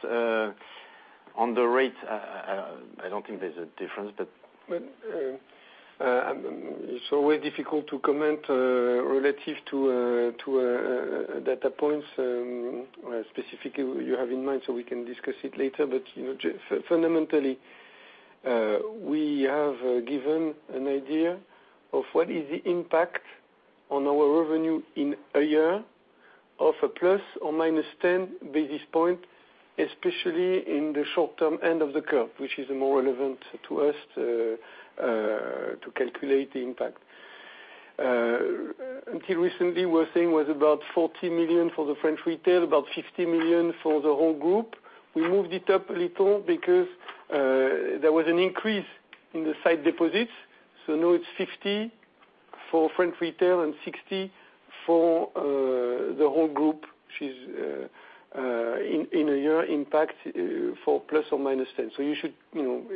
on the rate, I don't think there is a difference. It is always difficult to comment relative to data points, or specific you have in mind, so we can discuss it later. Fundamentally, we have given an idea of what is the impact on our revenue in a year of a plus or minus 10 basis point, especially in the short-term end of the curve, which is more relevant to us to calculate the impact. Until recently, we were saying was about 40 million for the French retail, about 50 million for the whole group. We moved it up a little because there was an increase in the site deposits. Now it is 50 for French retail and 60 for the whole group, which is in a year impact for ±10. You should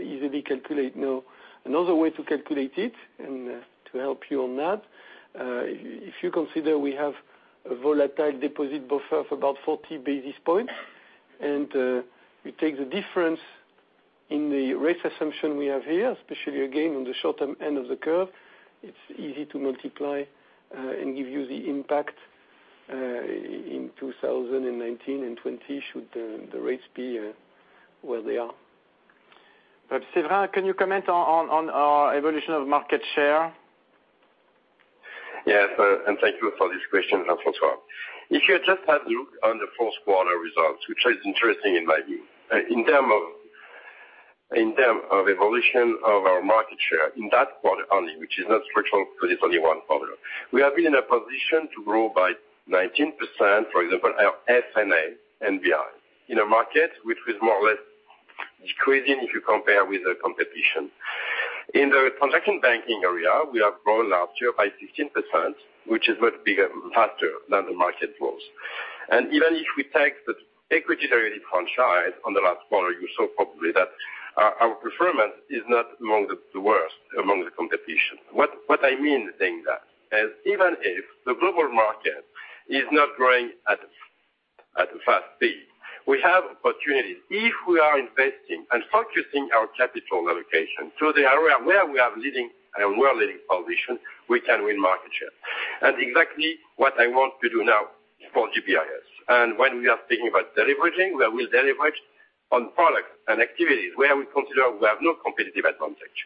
easily calculate now. Another way to calculate it, and to help you on that, if you consider we have a volatile deposit buffer of about 40 basis points, and we take the difference in the rate assumption we have here, especially again, on the short-term end of the curve, it is easy to multiply, and give you the impact in 2019 and 2020 should the rates be where they are. Séverin, can you comment on our evolution of market share? Yes, thank you for this question, Jean-François. If you just had looked on the fourth quarter results, which is interesting in my view, in term of evolution of our market share in that quarter only, which is not structural because it's only one quarter. We have been in a position to grow by 19%, for example, our SNA NBI, in a market which was more or less decreasing if you compare with the competition. In the transaction banking area, we have grown last year by 16%, which is much bigger and faster than the market growth. Even if we take the equity-related franchise on the last quarter, you saw probably that our performance is not among the worst among the competition. What I mean saying that is even if the global market is not growing at a fast speed, we have opportunities. If we are investing and focusing our capital allocation to the area where we are a leading position, we can win market share. Exactly what I want to do now for GBIS. When we are thinking about deleveraging, we will deleverage on products and activities where we consider we have no competitive advantage.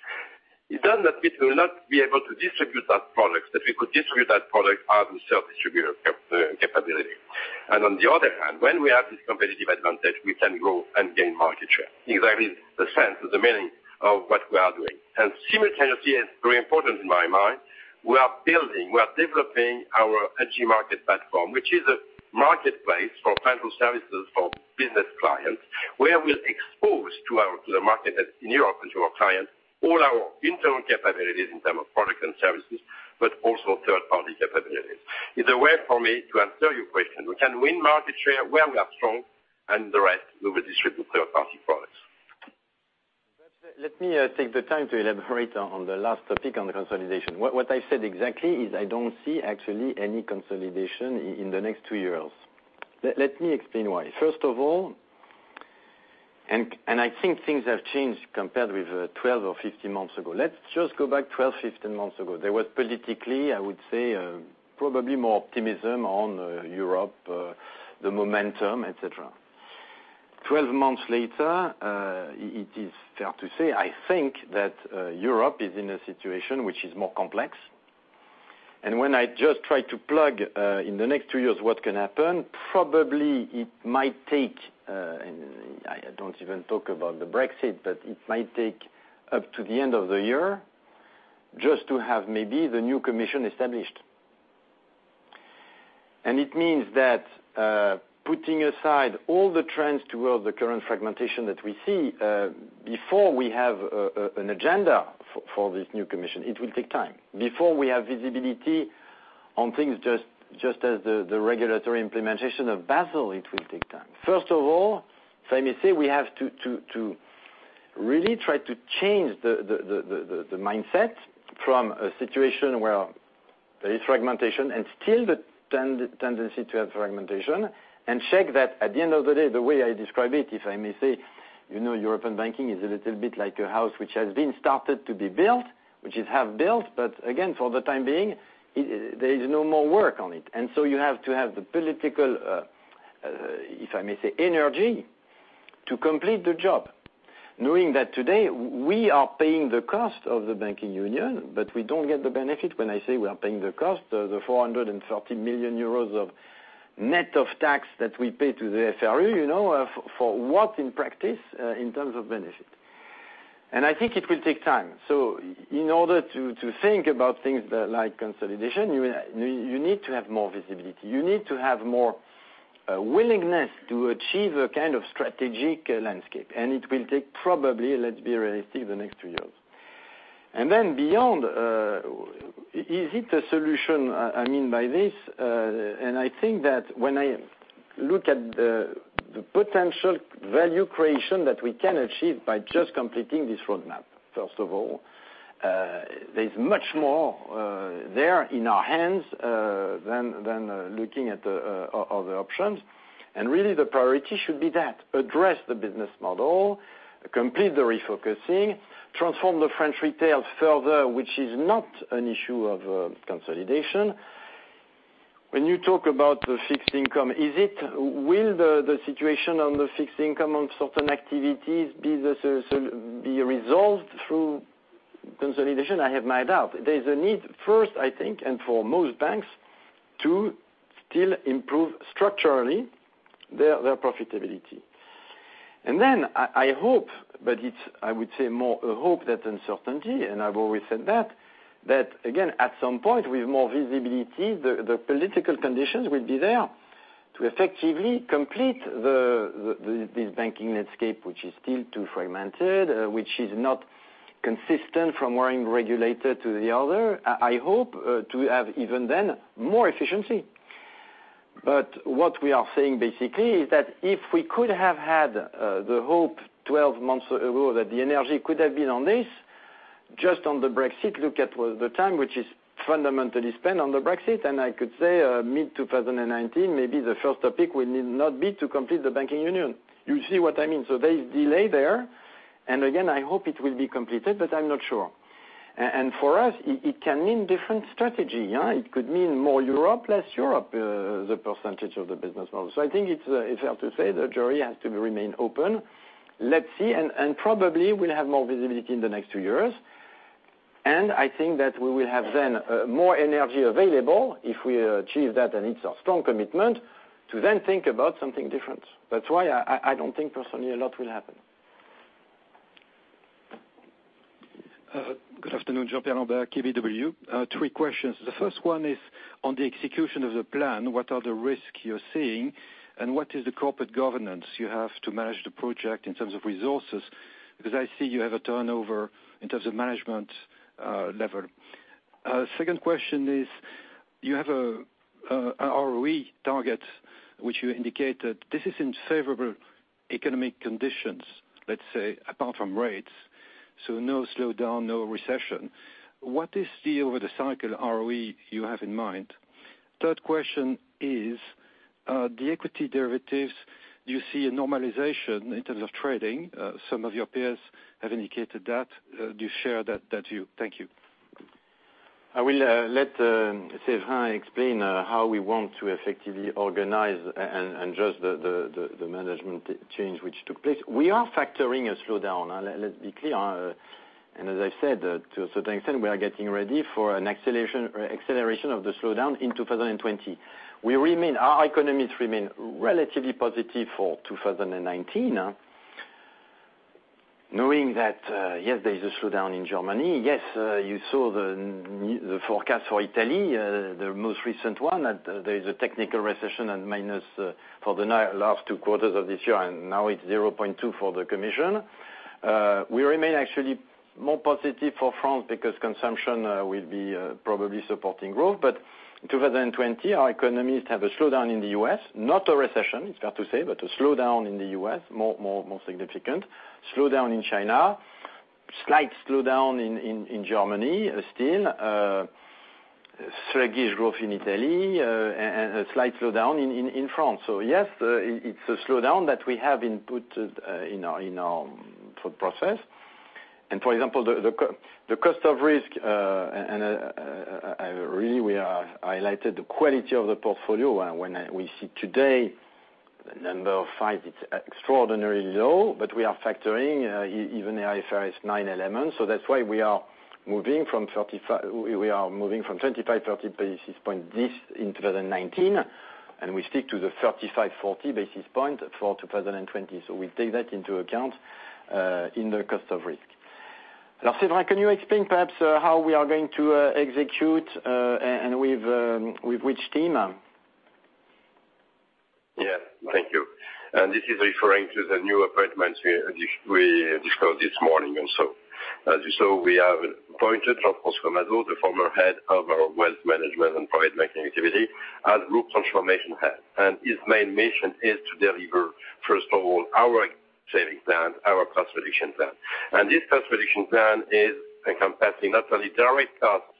It doesn't mean we will not be able to distribute that product, that we could distribute that product as we self-distribute our capability. On the other hand, when we have this competitive advantage, we can grow and gain market share. Exactly the sense or the meaning of what we are doing. Simultaneously, and very important in my mind, we are building, we are developing our SG Markets Platform, which is a marketplace for financial services for business clients, where we'll expose to the market in Europe and to our clients, all our internal capabilities in term of product and services, but also third-party capabilities. It's a way for me to answer your question. We can win market share where we are strong, the rest we will distribute third-party products. Let me take the time to elaborate on the last topic on the consolidation. What I've said exactly is I don't see actually any consolidation in the next two years. Let me explain why. First of all, I think things have changed compared with 12 or 15 months ago. Let's just go back 12, 15 months ago. There was politically, I would say, probably more optimism on Europe, the momentum, et cetera. 12 months later, it is fair to say, I think that Europe is in a situation which is more complex. When I just try to plug in the next two years what can happen, probably it might take, and I don't even talk about the Brexit, but it might take up to the end of the year just to have maybe the new Commission established. It means that putting aside all the trends toward the current fragmentation that we see, before we have an agenda for this new commission, it will take time. Before we have visibility on things, just as the regulatory implementation of Basel, it will take time. First of all, if I may say, we have to really try to change the mindset from a situation where there is fragmentation and still the tendency to have fragmentation, and check that, at the end of the day, the way I describe it, if I may say, European banking is a little bit like a house which has been started to be built, which is half built, but again, for the time being, there is no more work on it. You have to have the political, if I may say, energy to complete the job, knowing that today we are paying the cost of the banking union, but we don't get the benefit. When I say we are paying the cost, the 430 million euros of net of tax that we pay to the SRF, for what in practice, in terms of benefit? I think it will take time. In order to think about things like consolidation, you need to have more visibility. You need to have more willingness to achieve a kind of strategic landscape, and it will take probably, let's be realistic, the next two years. Beyond, is it a solution? I mean by this, I think that when I look at the potential value creation that we can achieve by just completing this roadmap, first of all, there is much more there in our hands than looking at other options. Really, the priority should be that. Address the business model, complete the refocusing, transform the French retail further, which is not an issue of consolidation. When you talk about fixed income, will the situation on the fixed income on certain activities be resolved through consolidation? I have my doubt. There is a need, first, I think, and for most banks, to still improve structurally their profitability. I hope, but it's, I would say more a hope than uncertainty, I've always said that again, at some point, with more visibility, the political conditions will be there to effectively complete this banking landscape, which is still too fragmented, which is not consistent from one regulator to the other. I hope to have even then more efficiency. What we are saying, basically, is that if we could have had the hope 12 months ago that the energy could have been on this, just on the Brexit, look at the time which is fundamentally spent on the Brexit, I could say, mid-2019, maybe the first topic will not be to complete the banking union. You see what I mean? There is delay there. Again, I hope it will be completed, but I'm not sure. For us, it can mean different strategy. It could mean more Europe, less Europe, the percentage of the business model. I think it's fair to say the jury has to remain open. Let's see, probably we'll have more visibility in the next two years. I think that we will have then more energy available if we achieve that, and it's a strong commitment to then think about something different. That's why I don't think personally a lot will happen. Good afternoon, Jean-Pierre Lambert, KBW. Three questions. The first one is on the execution of the plan. What are the risks you're seeing, and what is the corporate governance you have to manage the project in terms of resources? Because I see you have a turnover in terms of management level. Second question is, you have a ROE target, which you indicated this is in favorable economic conditions, let's say, apart from rates, no slowdown, no recession. What is the over the cycle ROE you have in mind? Third question is, the equity derivatives, do you see a normalization in terms of trading? Some of your peers have indicated that. Do you share that view? Thank you. I will let Séverin explain how we want to effectively organize and adjust the management change which took place. We are factoring a slowdown. Let's be clear. As I said, to a certain extent, we are getting ready for an acceleration of the slowdown in 2020. Our economies remain relatively positive for 2019. Knowing that, yes, there is a slowdown in Germany. Yes, you saw the forecast for Italy, the most recent one, that there is a technical recession for the last two quarters of this year, and now it's 0.2 for the commission. We remain actually more positive for France because consumption will be probably supporting growth. 2020, our economies have a slowdown in the U.S., not a recession, it's fair to say, but a slowdown in the U.S., more significant. Slowdown in China, slight slowdown in Germany still, sluggish growth in Italy, a slight slowdown in France. Yes, it's a slowdown that we have input in our process. For example, the cost of risk, really, we have highlighted the quality of the portfolio. When we see today the number five, it's extraordinarily low, but we are factoring even the IFRS nine elements. That's why we are moving from 25, 30 basis points this in 2019, we stick to the 35, 40 basis points for 2020. We take that into account, in the cost of risk. Séverin, can you explain perhaps how we are going to execute, with which team? Yes. Thank you. This is referring to the new appointments we discussed this morning also. As you saw, we have appointed Jean-François Mazaud, the former head of our wealth management and private banking activity as group transformation head. His main mission is to deliver, first of all, our savings plan, our cost-reduction plan. This cost-reduction plan is encompassing not only direct costs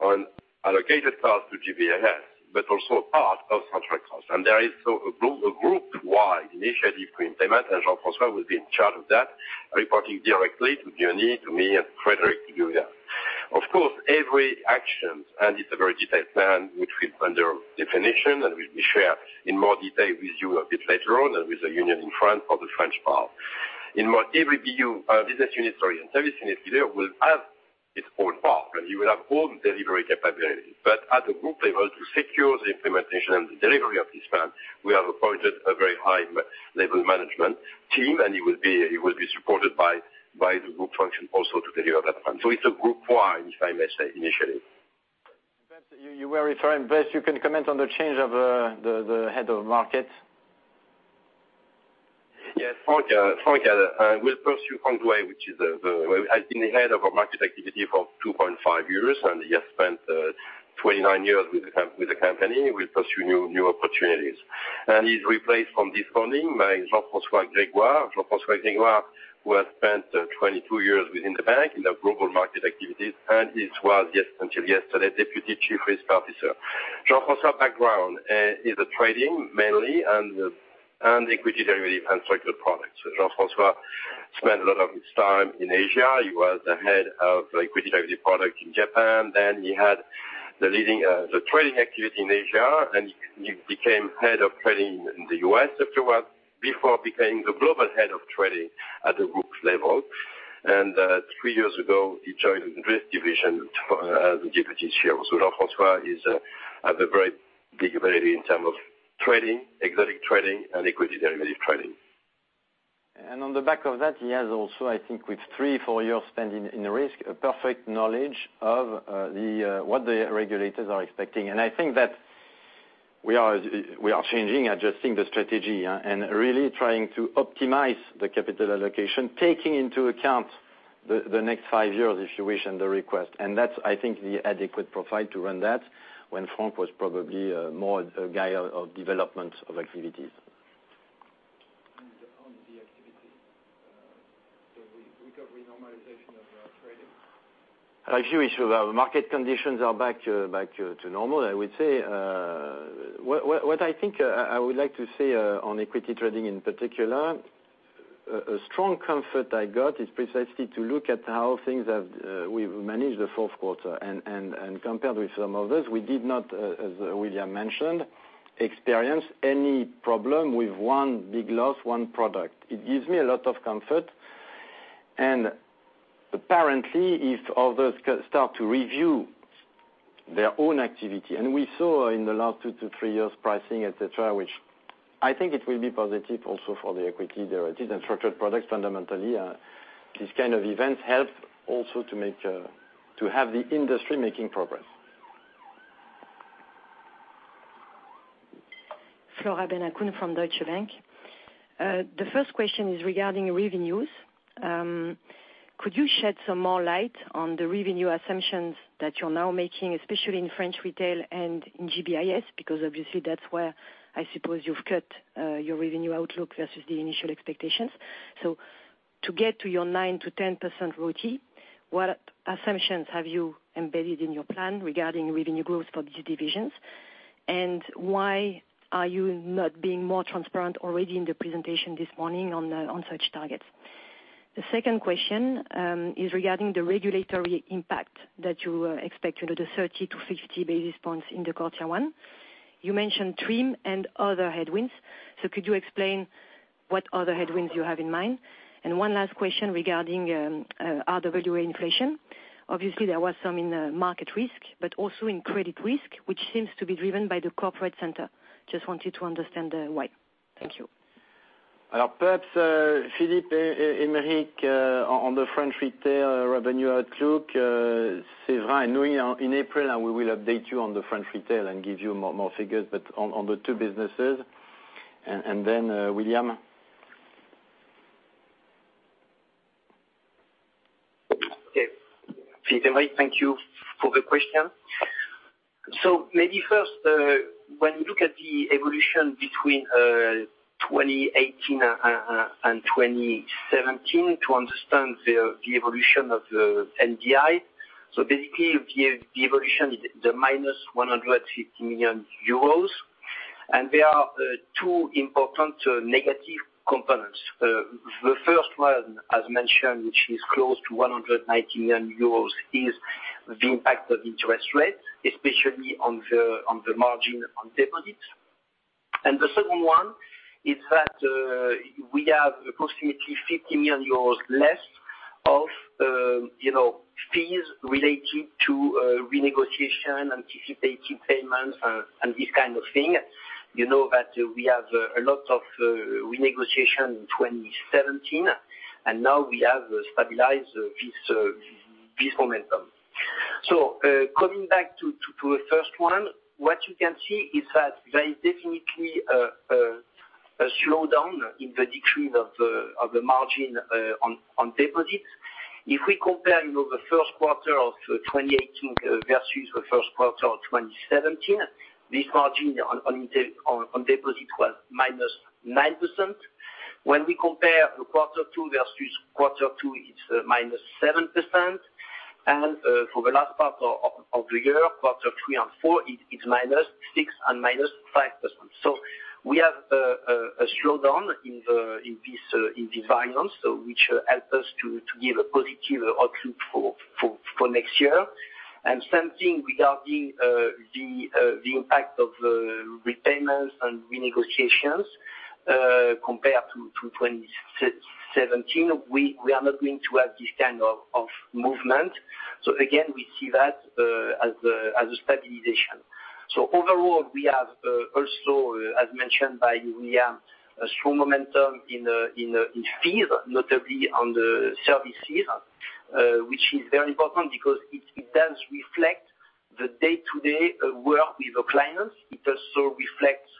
on allocated costs to GBIS, but also part of central costs. There is also a group-wide initiative for implementation, and Jean-François will be in charge of that, reporting directly to Gianni, to me, and Frédéric Dubret. Of course, every action, and it's a very detailed plan, which will, under definition, and we share in more detail with you a bit later on and with the union in France for the French part. In every business unit, sorry, and service unit, Philippe will have its own part, and he will have own delivery capabilities. At the group level, to secure the implementation and the delivery of this plan, we have appointed a very high-level management team, and it will be supported by the group function also to deliver that plan. It's a group-wide, if I may say, initiative. Perhaps you were referring, you can comment on the change of the head of market. Yes. Frank Drouet, who has been the head of our market activity for 2.5 years, and he has spent 29 years with the company, will pursue new opportunities. He's replaced from this morning by Jean-François Grégoire. Jean-François Grégoire, who has spent 22 years within the bank in the global market activities, and he was, until yesterday, Deputy Chief Risk Officer. Jean-François background is trading mainly and equity derivative and structured products. Jean-François spent a lot of his time in Asia. He was the head of liquidity derivative product in Japan, then he had the trading activity in Asia, and he became head of trading in the U.S. afterwards, before becoming the global head of trading at the group level. Three years ago, he joined the risk division as the Deputy CEO. Jean-François has a very big value in terms of trading, exotic trading, and equity derivative trading. On the back of that, he has also, I think, with three, four years spent in risk, a perfect knowledge of what the regulators are expecting. I think that we are changing, adjusting the strategy, and really trying to optimize the capital allocation, taking into account the next five years, if you wish, and the request. That's, I think, the adequate profile to run that, when Frank was probably more a guy of development of activities. On the activity, the recovery normalization of trading? If you wish, the market conditions are back to normal, I would say. What I think I would like to say on equity trading, in particular, a strong comfort I got is precisely to look at how things have we've managed the fourth quarter. Compared with some others, we did not, as William mentioned, experience any problem with one big loss, one product. It gives me a lot of comfort. Apparently, if others start to review their own activity, and we saw in the last two to three years, pricing, et cetera, which I think it will be positive also for the equity derivatives and structured products, fundamentally. These kind of events help also to have the industry making progress. Flora Bocahut from Deutsche Bank. The first question is regarding revenues. Could you shed some more light on the revenue assumptions that you are now making, especially in French retail and in GBIS? Obviously, that is where I suppose you have cut your revenue outlook versus the initial expectations. To get to your 9%-10% RoTE, what assumptions have you embedded in your plan regarding revenue growth for these divisions? Why are you not being more transparent already in the presentation this morning on such targets? The second question is regarding the regulatory impact that you expect, the 30-50 basis points in the quarter one. You mentioned TRIM and other headwinds. Could you explain what other headwinds you have in mind? One last question regarding RWA inflation. Obviously, there was some in market risk, also in credit risk, which seems to be driven by the corporate center. Just wanted to understand why. Thank you. Perhaps Philippe Aymerich, on the French retail revenue outlook, Séverin, in April, we will update you on the French retail and give you more figures, on the two businesses. Then William. Okay. Philippe, Aymerich, thank you for the question. Maybe first, when you look at the evolution between 2018 and 2017, to understand the evolution of the NBI, basically, the evolution is the -150 million euros. There are two important negative components. The first one, as mentioned, which is close to 190 million euros, is the impact of interest rates, especially on the margin on deposits. The second one is that we have approximately 50 million euros less of fees related to renegotiation, anticipating payments, and this kind of thing. You know that we have a lot of renegotiation in 2017, now we have stabilized this momentum. Coming back to the first one, what you can see is that there is definitely a slowdown in the decrease of the margin on deposits. If we compare the first quarter of 2018 versus the first quarter of 2017, this margin on deposits was -9%. When we compare quarter two versus quarter two, it's -7%. For the last part of the year, quarter three and four, it's -6% and -5%. We have a slowdown in this dynamic, which helps us to give a positive outlook for next year. Same thing regarding the impact of repayments and renegotiations compared to 2017. We are not going to have this kind of movement. Again, we see that as a stabilization. Overall, we have also, as mentioned by Julien, a strong momentum in fees, notably on the services, which is very important because it does reflect the day-to-day work with our clients. It also reflects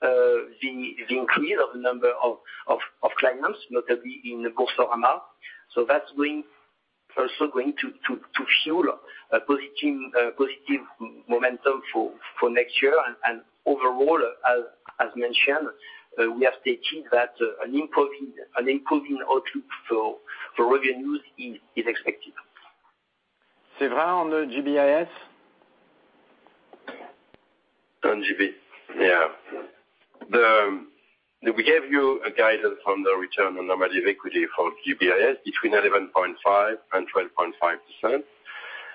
the increase of the number of clients, notably in the Groupama. That's also going to fuel a positive momentum for next year. Overall, as mentioned, we have stated that an improving outlook for revenues is expected. Séverin on the GBIS? On GBIS, yeah. We gave you a guidance on the return on normative equity for GBIS between 11.5% and 12.5%,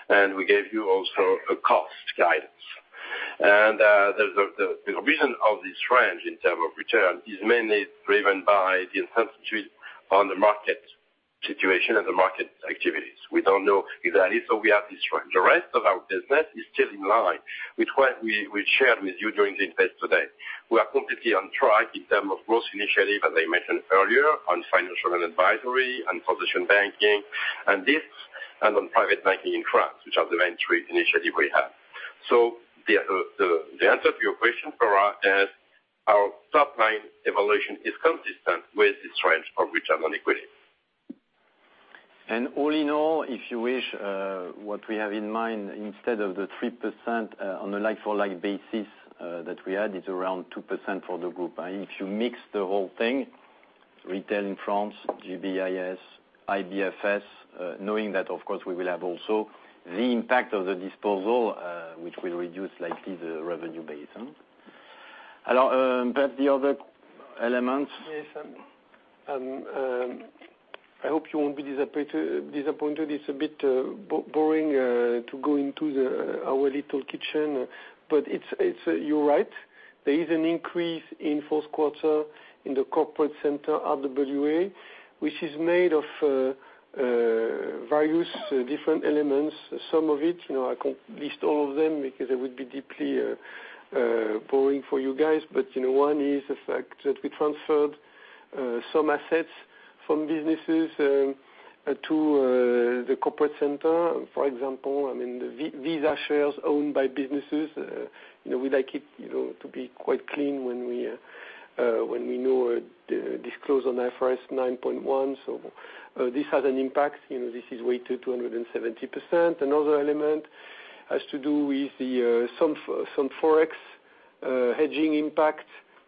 and we gave you also a cost guidance. The reason of this range in terms of return is mainly driven by the uncertainty on the market situation and the market activities. We don't know exactly, so we have this range. The rest of our business is still in line with what we shared with you during the event today. We are completely on track in terms of growth initiatives, as I mentioned earlier, on Financing & Advisory and position banking, and this, and on private banking in France, which are the main three initiatives we have. The answer to your question, Flora, is our top-line evaluation is consistent with this range of return on equity. All in all, if you wish, what we have in mind, instead of the 3% on a like-for-like basis that we had, is around 2% for the group. If you mix the whole thing, retail in France, GBIS, IBFS, knowing that, of course, we will have also the impact of the disposal, which will reduce slightly the revenue base. Albert, the other elements? Yes. I hope you won't be disappointed. It's a bit boring to go into our little kitchen. You're right. There is an increase in the fourth quarter in the corporate center RWA, which is made of various different elements. Some of it, I can't list all of them because it would be deeply boring for you guys. One is the fact that we transferred some assets from businesses to the corporate center. For example, the Visa shares owned by businesses, we like it to be quite clean when we know a disclose on IFRS 9.1. This has an impact. This is weighted to 170%. Another element has to do with some Forex hedging impact.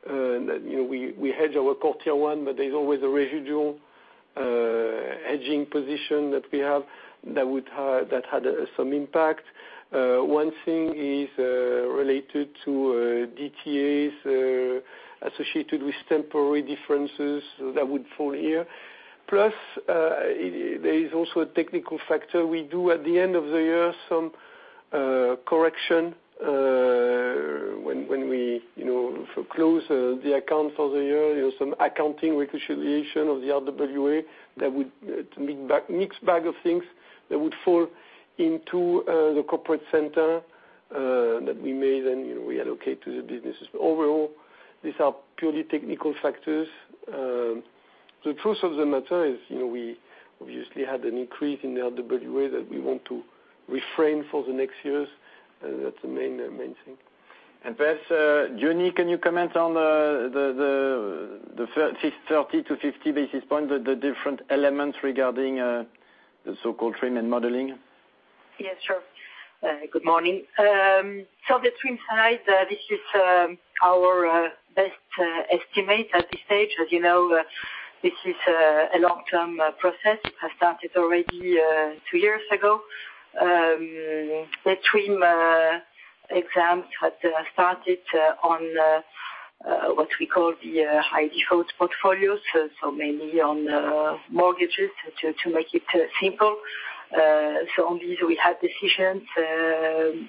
We hedge our quarter one, there's always a residual hedging position that we have that had some impact. One thing is related to DTAs associated with temporary differences that would fall here. There is also a technical factor. We do, at the end of the year, some correction when we close the account for the year, some accounting reconciliation of the RWA, that would be a mixed bag of things that would fall into the corporate center that we made, and we allocate to the businesses. Overall, these are purely technical factors. The truth of the matter is we obviously had an increase in the RWA that we want to reframe for the next years. That's the main thing. Perhaps, Jenny, can you comment on the 30-50 basis points with the different elements regarding the so-called TRIM and modeling? Yes, sure. Good morning. The TRIM side, this is our best estimate at this stage. As you know, this is a long-term process that started already two years ago. The TRIM exams had started on what we call the high default portfolios, so mainly on mortgages to make it simple. On these we had decisions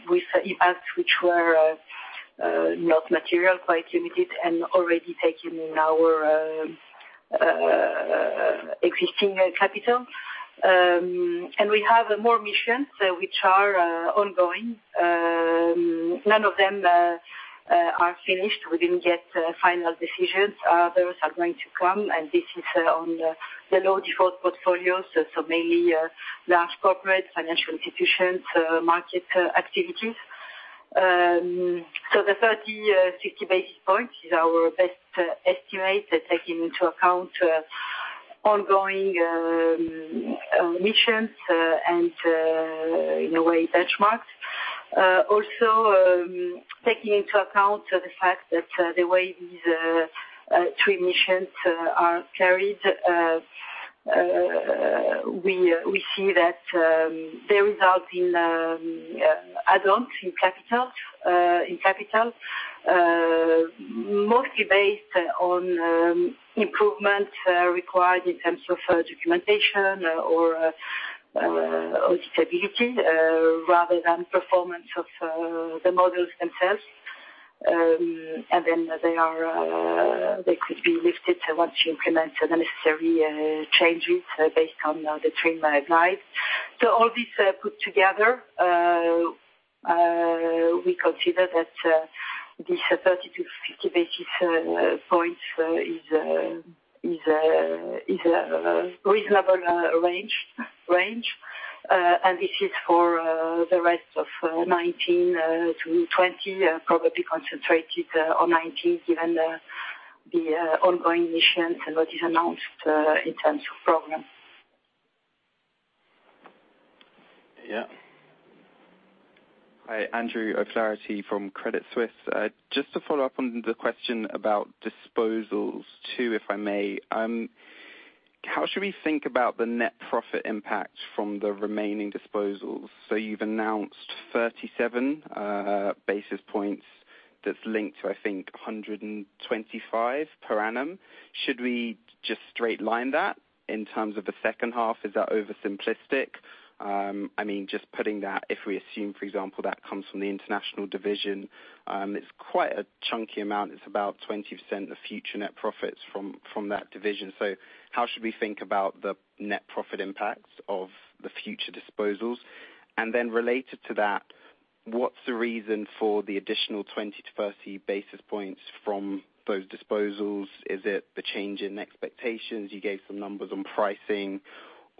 with impacts which were not material, quite limited, and already taken in our existing capital. We have more missions which are ongoing. None of them are finished. We didn't get final decisions. Those are going to come, and this is on the low default portfolios, so mainly large corporate financial institutions, market activities. The 30-50 basis points is our best estimate, taking into account ongoing missions and, in a way, benchmarks. Also taking into account the fact that the way these TRIM missions are carried, we see that they result in add-ons in capital mostly based on improvement required in terms of documentation or auditability rather than performance of the models themselves. They could be lifted once you implement the necessary changes based on the TRIM guidelines. All this put together, we consider that this 30 to 50 basis points is a reasonable range. This is for the rest of 2019 to 2020, probably concentrated on 2019, given the ongoing missions and what is announced in terms of programs. Yeah. Hi, Andrew O'Flaherty from Credit Suisse. Just to follow up on the question about disposals, too, if I may. How should we think about the net profit impact from the remaining disposals? You've announced 37 basis points that's linked to, I think, 125 per annum. Should we just straight line that in terms of the second half? Is that oversimplistic? Just putting that, if we assume, for example, that comes from the international division, it's quite a chunky amount. It's about 20% of future net profits from that division. How should we think about the net profit impacts of the future disposals? Related to that, what's the reason for the additional 20 to 30 basis points from those disposals? Is it the change in expectations? You gave some numbers on pricing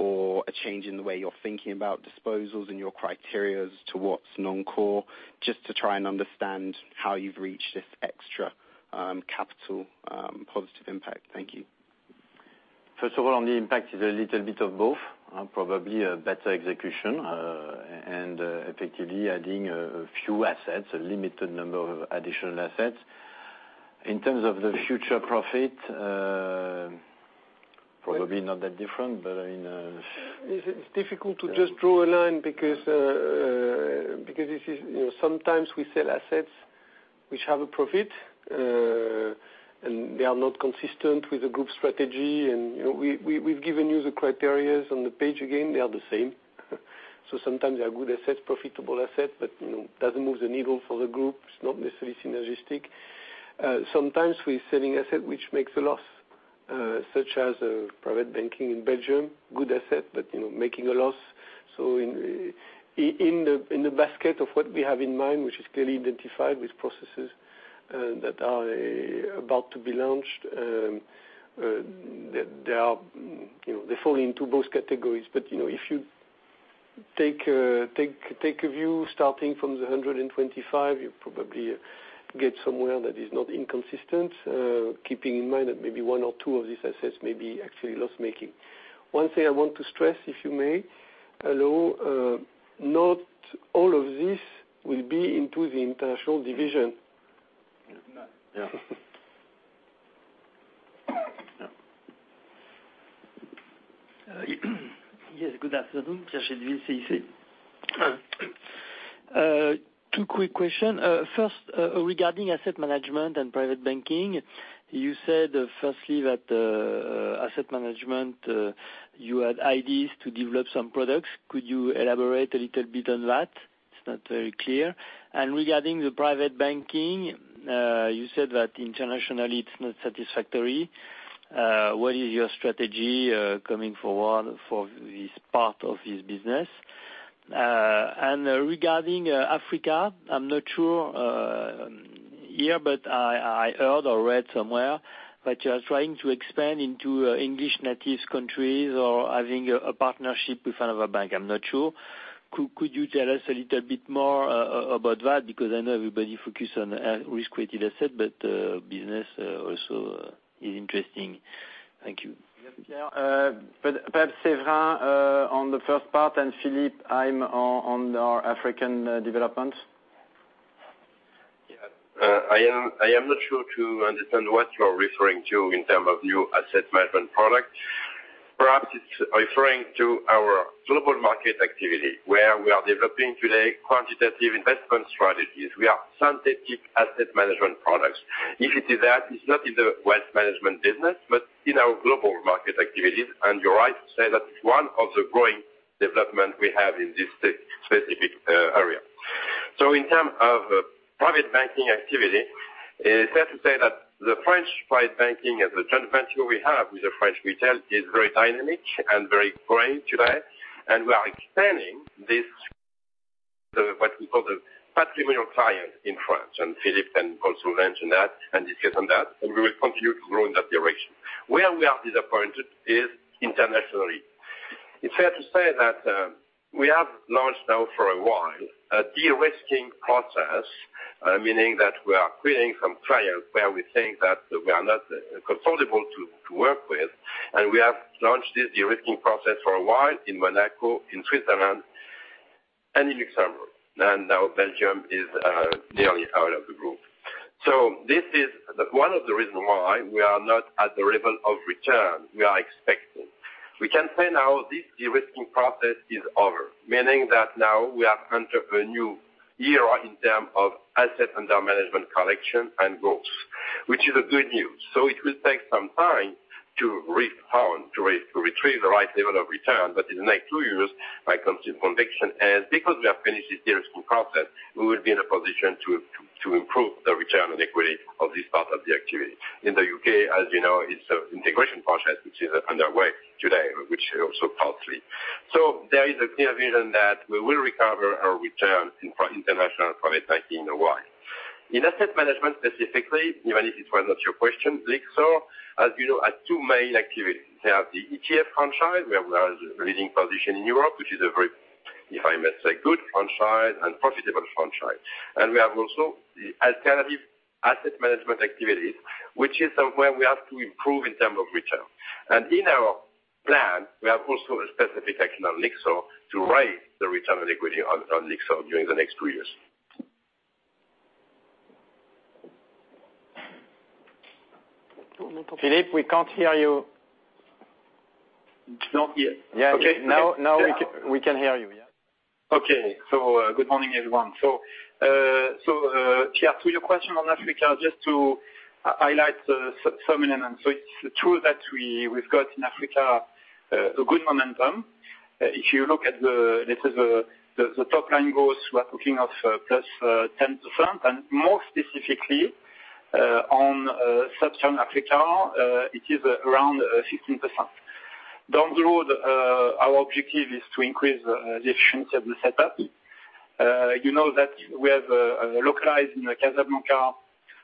or a change in the way you're thinking about disposals and your criteria to what's non-core. Just to try and understand how you've reached this extra capital positive impact. Thank you. First of all, on the impact is a little bit of both. Probably a better execution, effectively adding a few assets, a limited number of additional assets. In terms of the future profit, probably not that different, but I mean It's difficult to just draw a line because sometimes we sell assets which have a profit, and they are not consistent with the group strategy. We've given you the criteria on the page. Again, they are the same. Sometimes they are good assets, profitable assets, but doesn't move the needle for the group. It's not necessarily synergistic. Sometimes we're selling asset which makes a loss, such as private banking in Belgium, good asset, but making a loss. In the basket of what we have in mind, which is clearly identified with processes that are about to be launched, they fall into both categories. If you take a view starting from the 125, you probably get somewhere that is not inconsistent, keeping in mind that maybe one or two of these assets may be actually loss-making. One thing I want to stress, if you may, although not all of this will be into the international division. No. Yeah. Yes, good afternoon, Pierre. Two quick questions. First, regarding asset management and private banking, you said firstly that asset management, you had ideas to develop some products. Could you elaborate a little bit on that? It's not very clear. Regarding the private banking, you said that internationally it's not satisfactory. What is your strategy coming forward for this part of this business? Regarding Africa, I'm not sure here, but I heard or read somewhere that you are trying to expand into English natives countries or having a partnership with another bank. I'm not sure. Could you tell us a little bit more about that? I know everybody focus on risk-weighted asset, but business also is interesting. Thank you. Yes, Pierre. Perhaps Séverin on the first part and Philippe, I'm on our African development. I am not sure to understand what you are referring to in terms of new asset management products. Perhaps it's referring to our global market activity, where we are developing today quantitative investment strategies. We have some deep asset management products. If it is that, it's not in the wealth management business, but in our global market activities. You're right to say that is one of the growing development we have in this specific area. In terms of private banking activity, it's fair to say that the French private banking as a joint venture we have with the French retail is very dynamic and very growing today, and we are expanding this, what we call the patrimonial client in France, and Philippe can also mention that and discuss on that, and we will continue to grow in that direction. Where we are disappointed is internationally. It's fair to say that we have launched now for a while a de-risking process, meaning that we are clearing some clients where we think that we are not comfortable to work with, and we have launched this de-risking process for a while in Monaco, in Switzerland, and in Luxembourg, and now Belgium is nearly out of the group. This is one of the reasons why we are not at the level of return we are expecting. We can say now this de-risking process is over, meaning that now we have entered a new era in terms of asset under management collection and growth, which is a good news. It will take some time to retrieve the right level of return, but in the next two years, my conviction is because we have finished this de-risking process, we will be in a position to improve the return on equity of this part of the activity. In the U.K., as you know, it's an integration project which is underway today, which is also costly. There is a clear vision that we will recover our returns in international private banking. Why? In asset management specifically, even if it was not your question, as you know, has two main activities. They have the ETF franchise, where we are the leading position in Europe, which is a very, if I may say, good franchise and profitable franchise. We have also the alternative asset management activities, which is somewhere we have to improve in terms of return. In our plan, we have also a specific action on Lyxor to raise the return on equity on Lyxor during the next two years. Philippe, we can't hear you. Not yet. Yeah. Okay. Now we can hear you. Yeah. Good morning, everyone. Pierre, to your question on Africa, just to highlight some elements. It's true that we've got in Africa a good momentum. If you look at the top line growth, we are talking of +10%, and more specifically, on Sub-Saharan Africa, it is around 15%. Down the road, our objective is to increase the efficiency of the setup. You know that we have localized in Casablanca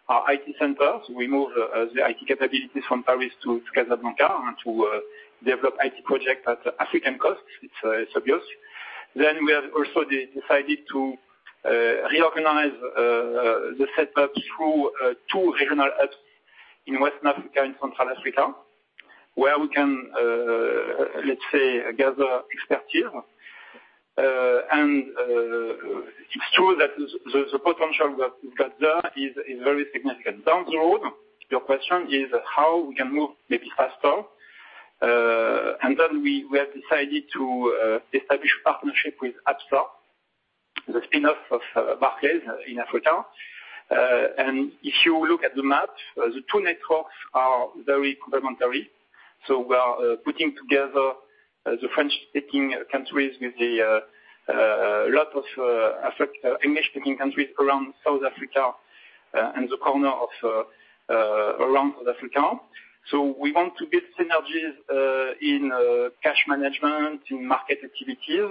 our IT centers. We moved the IT capabilities from Paris to Casablanca, and to develop IT project at African cost. It's obvious. We have also decided to reorganize the setup through two regional hubs in West Africa and Central Africa, where we can, let's say, gather expertise. It's true that the potential we've got there is very significant. Down the road, your question is how we can move maybe faster. We have decided to establish partnership with Absa, the spinoff of Barclays in Africa. If you look at the map, the two networks are very complementary. We are putting together the French-speaking countries with a lot of English-speaking countries around South Africa and the corner of around South Africa. We want to build synergies in cash management, in market activities,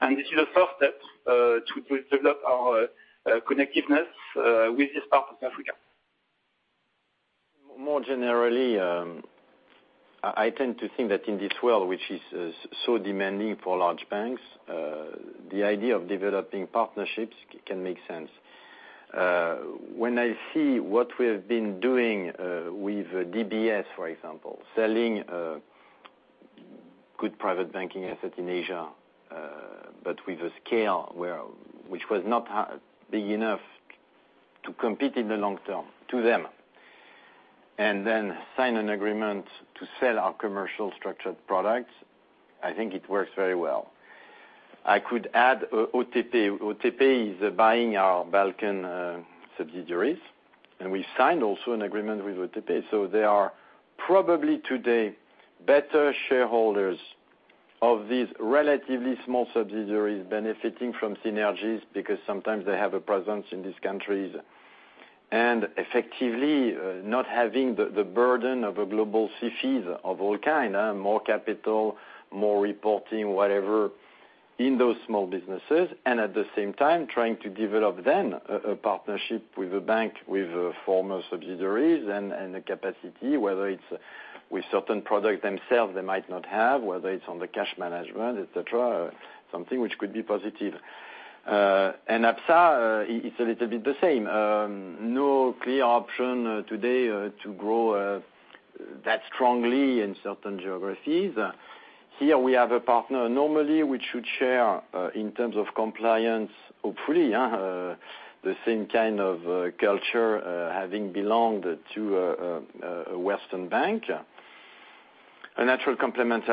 and this is a first step to develop our connectiveness with this part of Africa. More generally, I tend to think that in this world, which is so demanding for large banks, the idea of developing partnerships can make sense. When I see what we have been doing with DBS, for example, selling good private banking assets in Asia, but with a scale which was not big enough to compete in the long term to them, and then sign an agreement to sell our commercial structured products, I think it works very well. I could add OTP. OTP is buying our Balkan subsidiaries, and we signed also an agreement with OTP. They are probably today better shareholders of these relatively small subsidiaries benefiting from synergies, because sometimes they have a presence in these countries. Effectively, not having the burden of a global fee of all kind, more capital, more reporting, whatever, in those small businesses. At the same time, trying to develop then a partnership with a bank with former subsidiaries and a capacity, whether it's with certain products themselves they might not have, whether it's on the cash management, et cetera, something which could be positive. Absa, it's a little bit the same. No clear option today to grow that strongly in certain geographies. Here, we have a partner, normally, which should share, in terms of compliance, hopefully, the same kind of culture, having belonged to a Western bank. A natural complement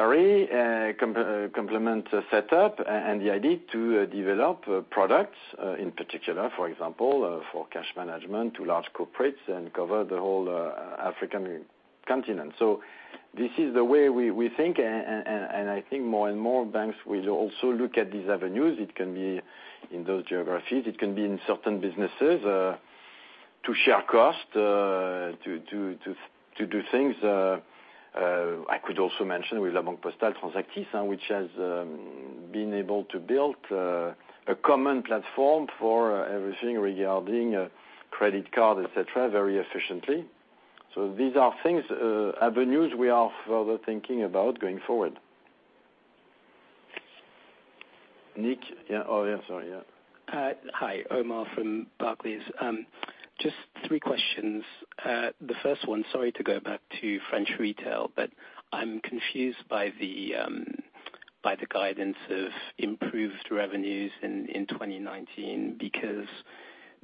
setup, and the idea to develop products, in particular, for example, for cash management to large corporates and cover the whole African continent. This is the way we think, and I think more and more banks will also look at these avenues. It can be in those geographies, it can be in certain businesses, to share cost, to do things. I could also mention with La Banque Postale Transactis, which has been able to build a common platform for everything regarding credit card, et cetera, very efficiently. These are avenues we are further thinking about going forward. Nick? Yeah. Oh, yeah, sorry. Hi, Omar from Barclays. Just three questions. The first one, sorry to go back to French retail, I am confused by the guidance of improved revenues in 2019, because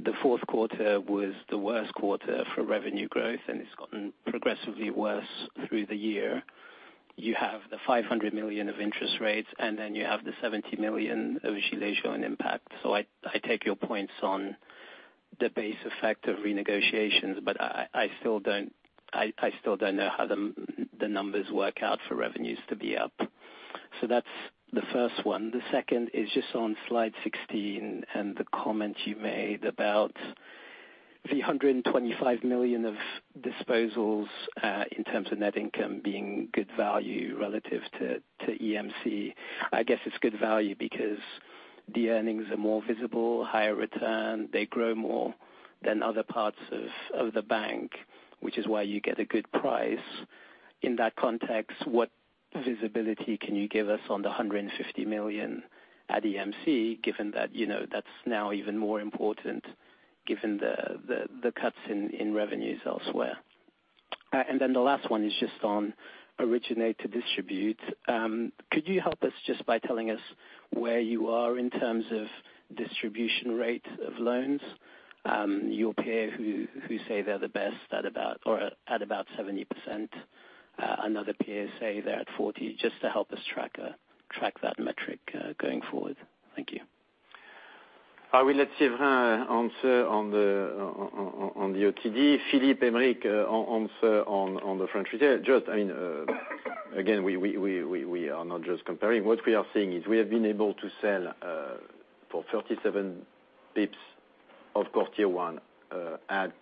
the fourth quarter was the worst quarter for revenue growth, and it has gotten progressively worse through the year. You have the 500 million of interest rates, and then you have the 70 million of impact. I take your points on the base effect of renegotiations, I still do not know how the numbers work out for revenues to be up. That is the first one. The second is just on slide 16 and the comment you made about the 125 million of disposals, in terms of net income, being good value relative to EMC. I guess it is good value because the earnings are more visible, higher return, they grow more than other parts of the bank, which is why you get a good price. In that context, what visibility can you give us on the 150 million at EMC, given that is now even more important given the cuts in revenues elsewhere? The last one is just on originate to distribute. Could you help us just by telling us where you are in terms of distribution rate of loans? Your peer who say they are the best are at about 70%. Another peer say they are at 40%. Just to help us track that metric going forward. Thank you. I will let Séverin answer on the OTD. Philippe Aymerich answer on the French retail. Again, we are not just comparing. What we are saying is we have been able to sell for 37 basis points of Core Tier 1 at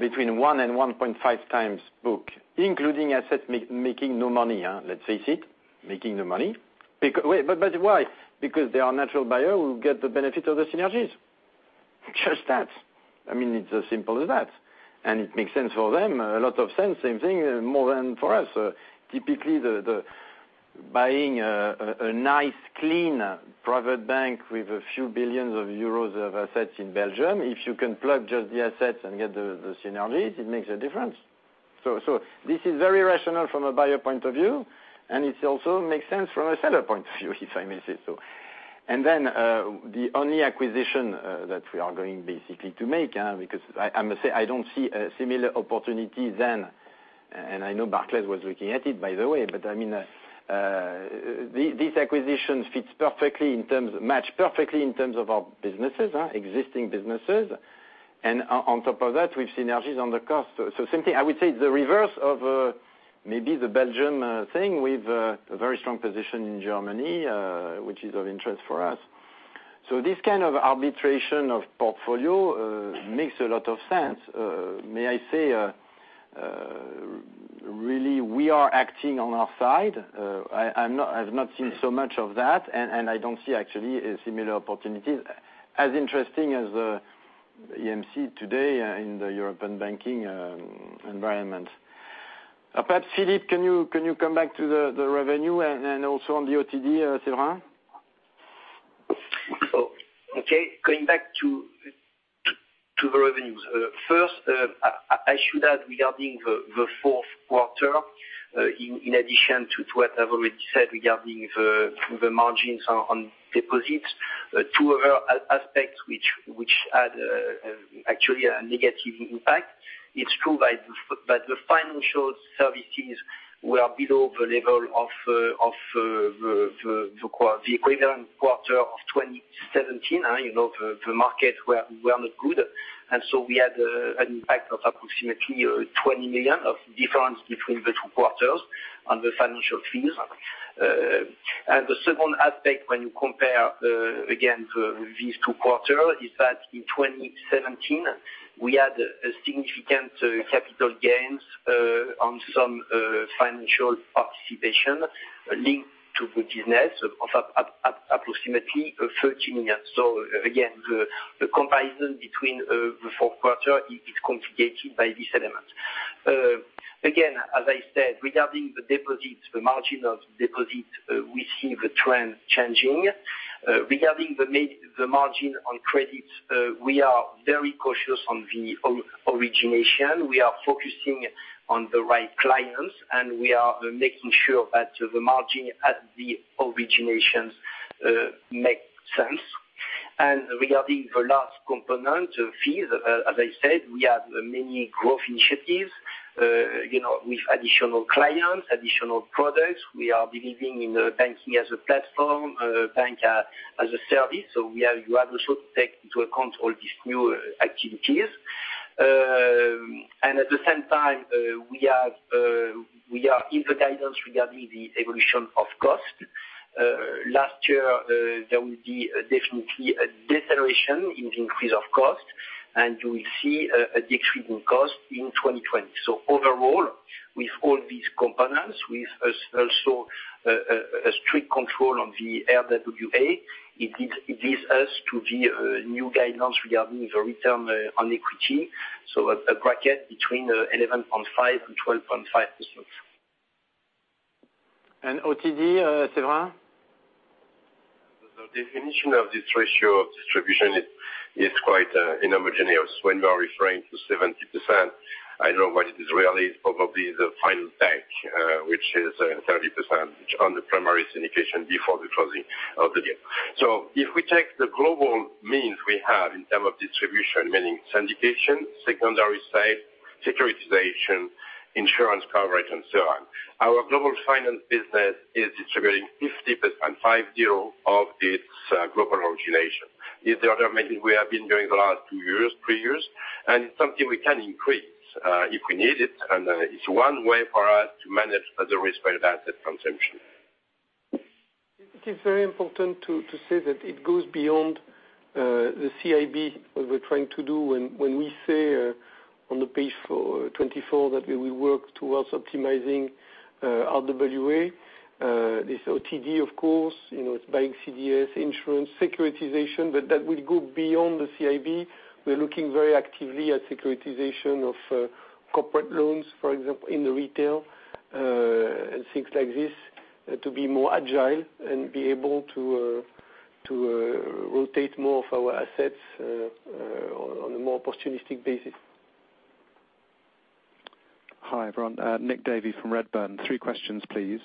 between one and 1.5x book, including asset making no money. Let's face it, making no money. Why? Because their natural buyer will get the benefit of the synergies. Just that. It's as simple as that. It makes sense for them. A lot of sense, same thing, more than for us. Typically, buying a nice, clean private bank with a few billions of EUR of assets in Belgium, if you can plug just the assets and get the synergies, it makes a difference. This is very rational from a buyer point of view, and it also makes sense from a seller point of view, if I may say so. The only acquisition that we are going basically to make, because I must say, I don't see a similar opportunity than, and I know Barclays was looking at it, by the way, but this acquisition fits perfectly, match perfectly in terms of our businesses, existing businesses. On top of that, with synergies on the cost. Same thing, I would say the reverse of maybe the Belgium thing, with a very strong position in Germany, which is of interest for us. This kind of arbitration of portfolio makes a lot of sense. May I say, really, we are acting on our side. I have not seen so much of that, and I don't see, actually, similar opportunities as interesting as EMC today in the European banking environment. Perhaps, Philippe, can you come back to the revenue, and then also on the OTD, Séverin? Okay. Going back to the revenues. First, I should add regarding the fourth quarter, in addition to what I've already said regarding the margins on deposits, two other aspects which had actually a negative impact. It's true that the financial services were below the level of the equivalent quarter of 2017. The markets were not good. We had an impact of approximately 20 million EUR of difference between the two quarters on the financial fees. The second aspect, when you compare, again, these two quarters, is that in 2017, we had a significant capital gains on some financial participation linked to the business of approximately 13 million EUR. Again, the comparison between the fourth quarter is complicated by this element. As I said, regarding the deposits, the margin of deposits, we see the trend changing. Regarding the margin on credits, we are very cautious on the origination. We are focusing on the right clients, and we are making sure that the margin at the originations make sense. Regarding the last component of fees, as I said, we have many growth initiatives with additional clients, additional products. We are believing in banking as a platform, bank as a service. You have also to take into account all these new activities. At the same time, we are in the guidance regarding the evolution of cost. Last year, there will be definitely a deceleration in the increase of cost, and you will see a decrease in cost in 2020. Overall, with all these components, with also a strict control on the RWA, it leads us to the new guidance regarding the return on equity. A bracket between 11.5% and 12.5%. OTD, Séverin? The definition of this ratio of distribution is quite heterogeneous. When we are referring to 70%, I know what it is really, it's probably the final bank which is 30% on the primary syndication before the closing of the deal. If we take the global means we have in term of distribution, meaning syndication, secondary sale, securitization, insurance coverage, and so on, our global finance business is distributing 50% of its global origination. It's the order making we have been doing the last two years, three years, and it's something we can increase if we need it. It's one way for us to manage the risk-weighted asset consumption. It is very important to say that it goes beyond the CIB, what we're trying to do when we say on page 24 that we will work towards optimizing RWA. This OTD, of course, it's buying CDS insurance, securitization, but that will go beyond the CIB. We are looking very actively at securitization of corporate loans, for example, in the retail, and things like this, to be more agile and be able to rotate more of our assets on a more opportunistic basis. Hi, everyone. Nick Davey from Redburn. Three questions, please.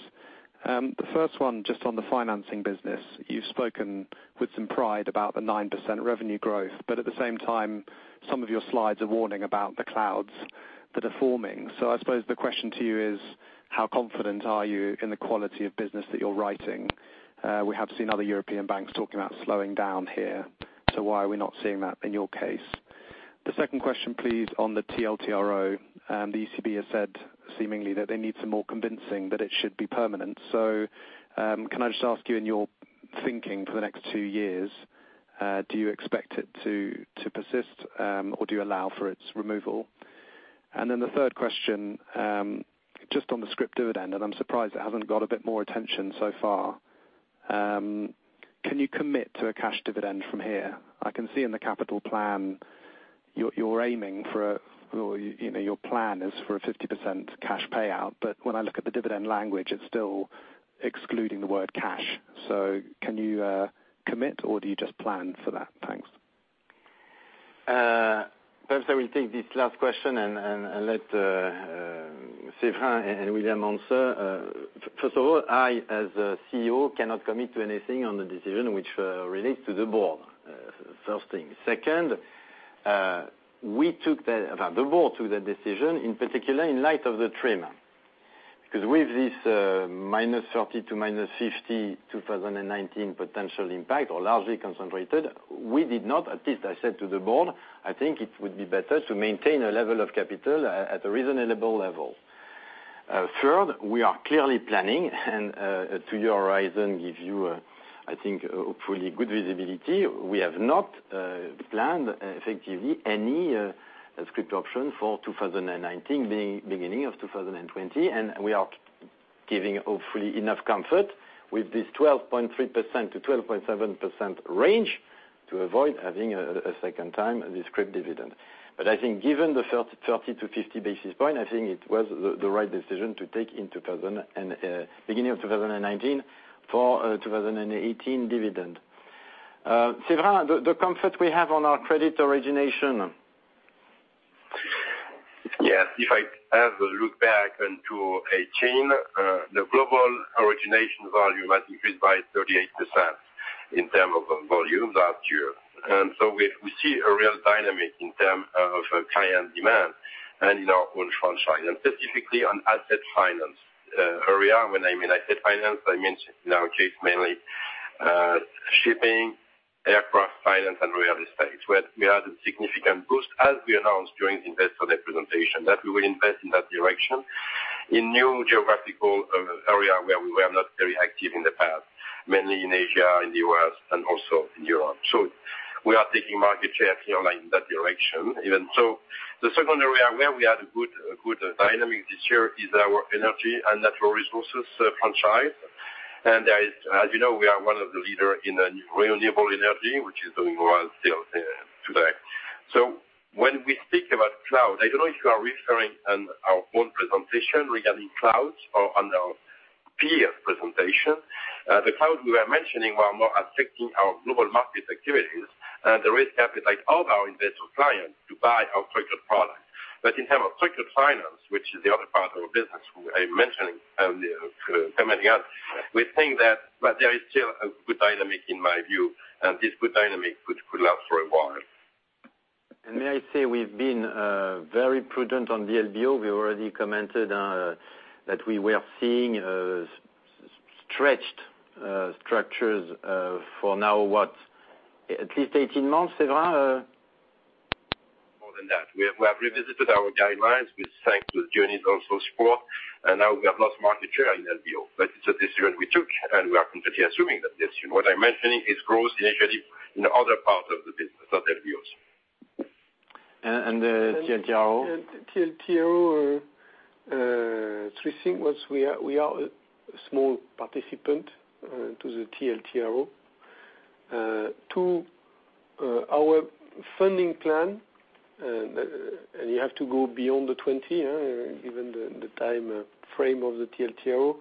The first one, just on the financing business. You've spoken with some pride about the 9% revenue growth, but at the same time, some of your slides are warning about the clouds that are forming. I suppose the question to you is, how confident are you in the quality of business that you're writing? We have seen other European banks talking about slowing down here. Why are we not seeing that in your case? The second question, please, on the TLTRO. The ECB has said seemingly that they need some more convincing that it should be permanent. Can I just ask you in your thinking for the next two years, do you expect it to persist, or do you allow for its removal? The third question, just on the scrip dividend, I'm surprised it hasn't got a bit more attention so far. Can you commit to a cash dividend from here? I can see in the capital plan, your plan is for a 50% cash payout. When I look at the dividend language, it's still excluding the word cash. Can you commit, or do you just plan for that? Thanks. Perhaps I will take this last question and let Séverin and William answer. First of all, I, as a CEO, cannot commit to anything on the decision which relates to the board. First thing. Second, the board took the decision, in particular, in light of the TRIM, because with this -30 to -50, 2019 potential impact are largely concentrated. We did not, at least I said to the board, I think it would be better to maintain a level of capital at a reasonable level. Third, we are clearly planning, and to your horizon, give you, I think, hopefully, good visibility. We have not planned, effectively, any scrip option for 2019, beginning of 2020. We are giving, hopefully, enough comfort with this 12.3% to 12.7% range to avoid having a second time a scrip dividend. I think given the 30 to 50 basis points, I think it was the right decision to take beginning of 2019 for 2018 dividend. Séverin, the comfort we have on our credit origination. Yes. I have a look back into 2018, the global origination volume has increased by 38% in terms of volume last year. We see a real dynamic in terms of client demand and in our own franchise, and specifically on asset finance area. When I mean asset finance, I mean in our case, mainly shipping, aircraft finance and real estate, where we had a significant boost as we announced during the investor day presentation, that we will invest in that direction in new geographical area where we were not very active in the past, mainly in Asia, in the U.S., and also in Europe. We are taking market share here in that direction even. The second area where we had a good dynamic this year is our energy and natural resources franchise. As you know, we are one of the leaders in renewable energy, which is doing well still today. When we speak about cloud, I don't know if you are referring on our own presentation regarding clouds or on our peer's presentation. The clouds we were mentioning were more affecting our Global Markets activities, the risk appetite of our investor clients to buy our structured products. In terms of structured finance, which is the other part of our business, I mentioned coming up, we think that there is still a good dynamic, in my view, and this good dynamic could last for a while. May I say, we've been very prudent on LBO. We already commented that we are seeing stretched structures for now, what, at least 18 months, Séverin? More than that. We have revisited our guidelines with banks, with JVs, all those four. Now we have lost market share in LBO. It's a decision we took, and we are completely assuming that decision. What I'm mentioning is growth initiative in other parts of the business other than LBOs. The TLTRO. TLTRO, three things. One, we are a small participant to the TLTRO. Two, our funding plan, you have to go beyond the 20, given the timeframe of the TLTRO,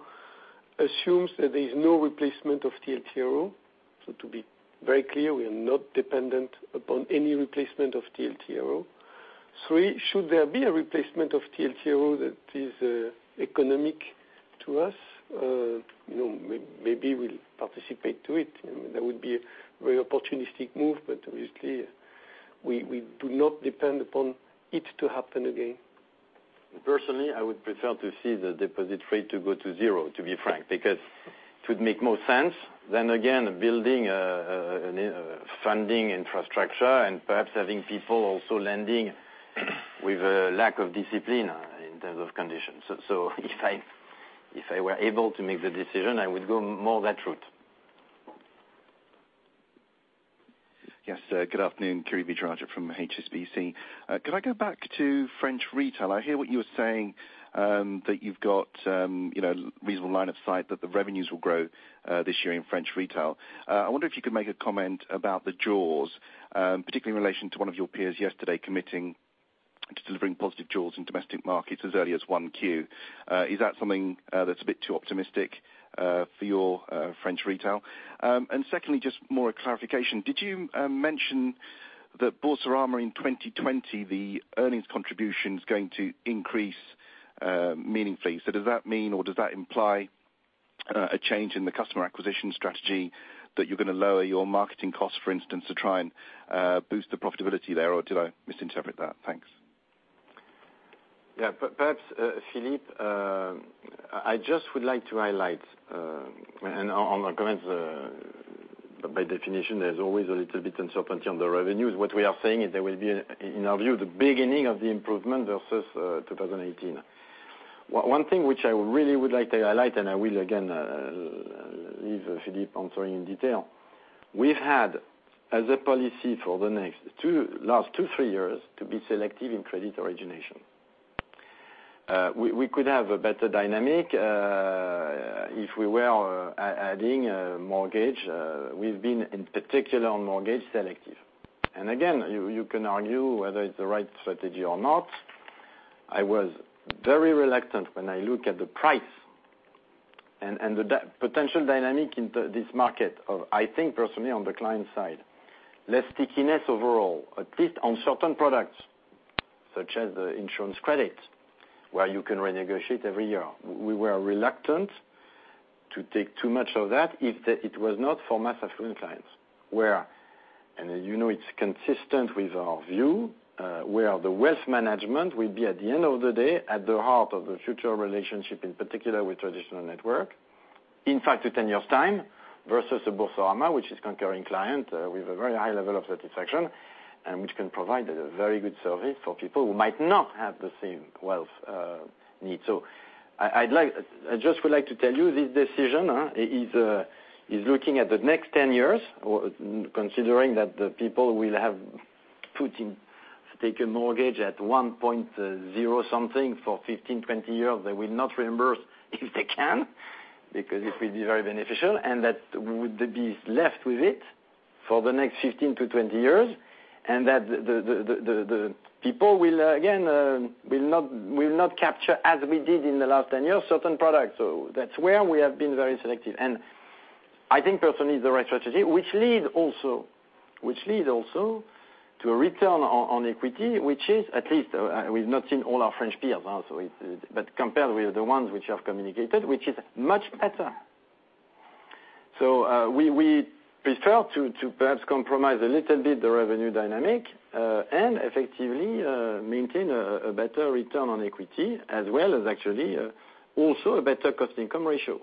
assumes that there is no replacement of TLTRO. To be very clear, we are not dependent upon any replacement of TLTRO. Three, should there be a replacement of TLTRO that is economic to us, maybe we'll participate to it. That would be a very opportunistic move, but obviously, we do not depend upon it to happen again. Personally, I would prefer to see the deposit rate to go to zero, to be frank, because it would make more sense than, again, building a funding infrastructure and perhaps having people also lending with a lack of discipline in terms of conditions. If I were able to make the decision, I would go more that route. Yes, good afternoon, Kiri Vijayarajah from HSBC. Could I go back to French retail? I hear what you were saying, that you've got reasonable line of sight that the revenues will grow this year in French retail. I wonder if you could make a comment about the jaws, particularly in relation to one of your peers yesterday committing to delivering positive jaws in domestic markets as early as 1Q. Is that something that's a bit too optimistic for your French retail? Secondly, just more a clarification. Did you mention that Boursorama in 2020, the earnings contribution is going to increase meaningfully? Does that mean, or does that imply a change in the customer acquisition strategy, that you're going to lower your marketing costs, for instance, to try and boost the profitability there, or did I misinterpret that? Thanks. Perhaps, Philippe, I just would like to highlight, on the comments, by definition, there's always a little bit uncertainty on the revenues. What we are saying is there will be, in our view, the beginning of the improvement versus 2018. One thing which I really would like to highlight, and I will, again, leave Philippe answering in detail. We've had, as a policy for the last two, three years, to be selective in credit origination. We could have a better dynamic, if we were adding a mortgage. We've been, in particular, on mortgage, selective. Again, you can argue whether it's the right strategy or not. I was very reluctant when I look at the price and the potential dynamic in this market of, I think, personally, on the client side. Less stickiness overall, at least on certain products, such as the insurance credit, where you can renegotiate every year. We were reluctant to take too much of that if it was not for massive clients. Where, and you know it's consistent with our view, where the wealth management will be, at the end of the day, at the heart of the future relationship, in particular with traditional network. In five to 10 years' time versus the Boursorama, which is concurring client with a very high level of satisfaction, and which can provide a very good service for people who might not have the same wealth needs. I just would like to tell you this decision is looking at the next 10 years, considering that the people will have taken mortgage at 1.0 something for 15, 20 years. They will not reimburse if they can, because it will be very beneficial, and that would be left with it for the next 15 - 20 years. That the people will not capture, as we did in the last 10 years, certain products. That's where we have been very selective. I think personally it's the right strategy, which leads also to a return on equity, which is at least, we've not seen all our French peers, but compared with the ones which have communicated, which is much better. We prefer to perhaps compromise a little bit the revenue dynamic, and effectively, maintain a better return on equity as well as actually also a better cost-income ratio.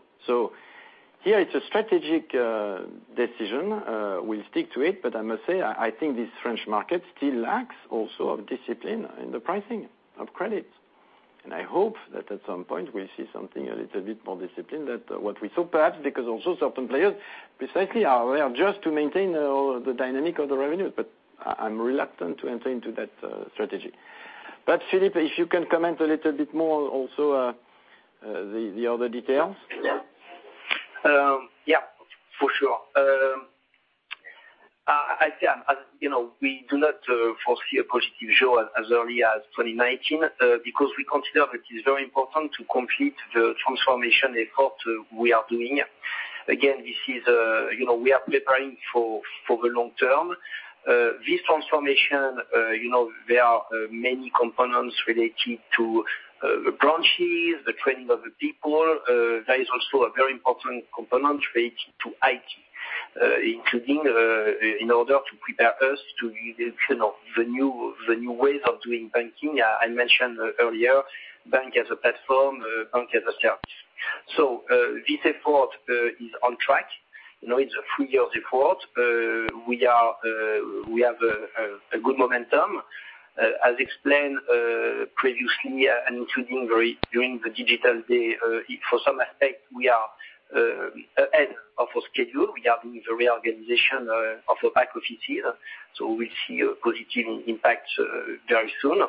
Here it's a strategic decision. We'll stick to it. I must say, I think this French market still lacks also of discipline in the pricing of credit. I hope that at some point we'll see something a little bit more disciplined than what we saw. Perhaps because also certain players precisely are just to maintain the dynamic of the revenues, I'm reluctant to enter into that strategy. Philippe, if you can comment a little bit more also, the other details. For sure. We do not foresee a positive show as early as 2019, because we consider that it is very important to complete the transformation effort we are doing. Again, we are preparing for the long term. This transformation, there are many components related to the branches, the training of the people. There is also a very important component related to IT, including, in order to prepare us to the new ways of doing banking. I mentioned earlier, bank as a platform, bank as a service. This effort is on track. It's a three-year effort. We have a good momentum. As explained previously and including during the Digital Day, for some aspects, we are ahead of our schedule. We are doing the reorganization of the back offices, we'll see a positive impact very soon.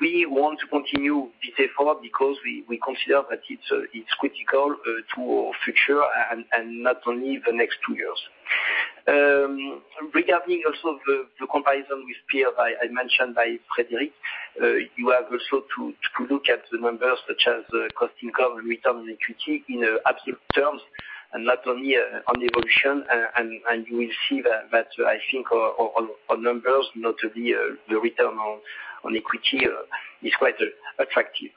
We want to continue this effort because we consider that it's critical to our future and not only the next two years. Regarding also the comparison with peers, as mentioned by Frédéric, you have also to look at the numbers such as cost income and return on equity in absolute terms, and not only on evolution, you will see that, I think our numbers, not the return on equity is quite attractive.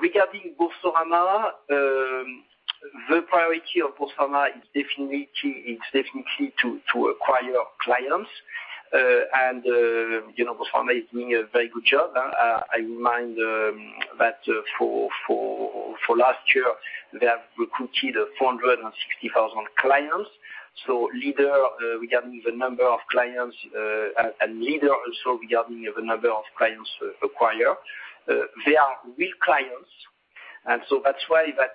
Regarding Boursorama, the priority of Boursorama is definitely to acquire clients, Boursorama is doing a very good job. I remind that for last year, they have recruited 460,000 clients. Leader regarding the number of clients, and leader also regarding the number of clients acquired. They are real clients, that's why that,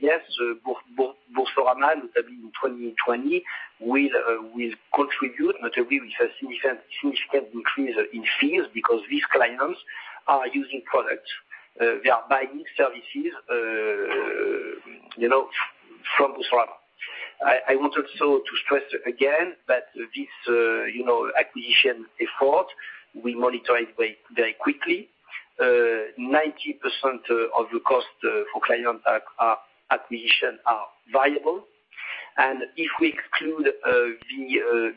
yes, Boursorama, notably in 2020, will contribute notably with a significant increase in fees because these clients are using products. They are buying services from Boursorama. I want also to stress again that this acquisition effort, we monitor it very quickly. 90% of the cost for client acquisition are variable. If we exclude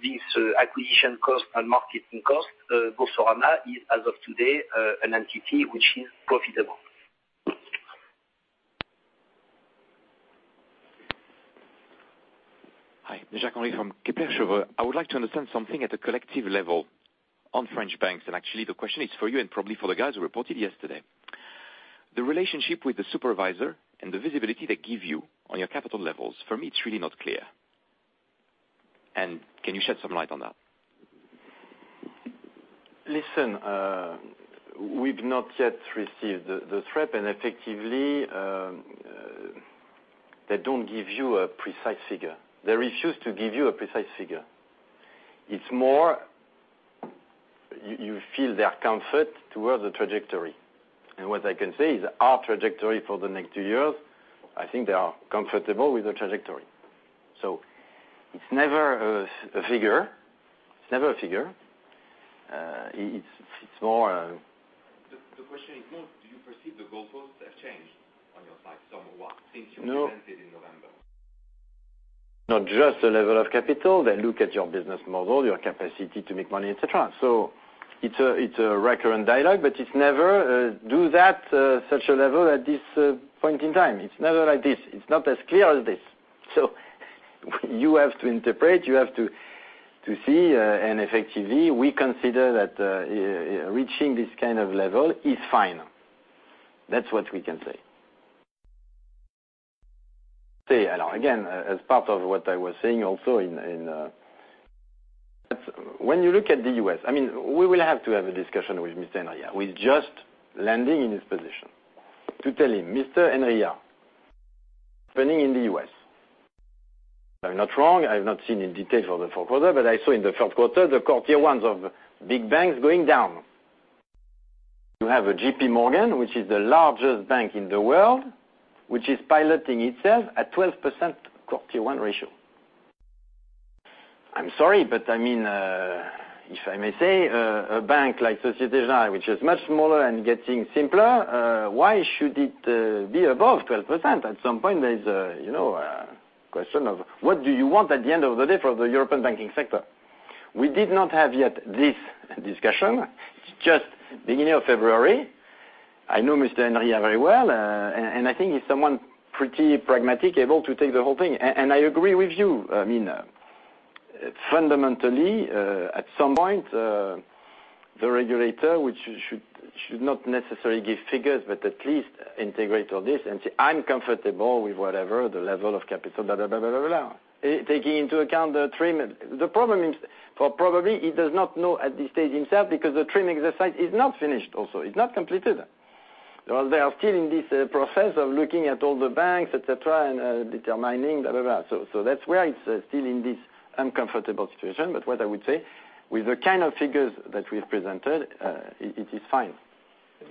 these acquisition costs and marketing costs, Boursorama is, as of today, an entity which is profitable. Hi. Jacques-Henri from Kepler Cheuvreux. I would like to understand something at a collective level on French banks. Actually, the question is for you and probably for the guys who reported yesterday. The relationship with the supervisor and the visibility they give you on your capital levels, for me, it's really not clear. Can you shed some light on that? Listen, we've not yet received the threat. Effectively, they don't give you a precise figure. They refuse to give you a precise figure. It's more, you feel their comfort towards the trajectory. What I can say is our trajectory for the next two years, I think they are comfortable with the trajectory. It's never a figure. It's more The question is more, do you perceive the goal posts have changed on your side somewhat since you presented in November? Not just the level of capital. They look at your business model, your capacity to make money, et cetera. It's a recurrent dialogue, but it's never, do that such a level at this point in time. It's never like this. It's not as clear as this. You have to interpret, you have to see. Effectively, we consider that reaching this kind of level is fine. That's what we can say. Again, as part of what I was saying also in When you look at the U.S., we will have to have a discussion with Mr. Enria. He's just landing in his position, to tell him, "Mr. Enria, depending in the U.S., if I'm not wrong, I've not seen in detail for the fourth quarter, but I saw in the third quarter the CET1 of big banks going down. You have a J.P. Morgan, which is the largest bank in the world, which is piloting itself at 12% CET1 ratio. I'm sorry, but if I may say, a bank like Société Générale, which is much smaller and getting simpler, why should it be above 12%? At some point, there is a question of what do you want at the end of the day for the European banking sector? We did not have yet this discussion. It's just beginning of February. I know Mr. Enria very well, and I think he's someone pretty pragmatic, able to take the whole thing. I agree with you. Fundamentally, at some point, the regulator, which should not necessarily give figures, but at least integrate all this and say, "I'm comfortable with whatever the level of capital," blah, blah. Taking into account the TRIM. The problem is, probably he does not know at this stage himself because the TRIM exercise is not finished also. It's not completed. They are still in this process of looking at all the banks, et cetera, and determining, blah, blah. That's where it's still in this uncomfortable situation. What I would say, with the kind of figures that we've presented, it is fine.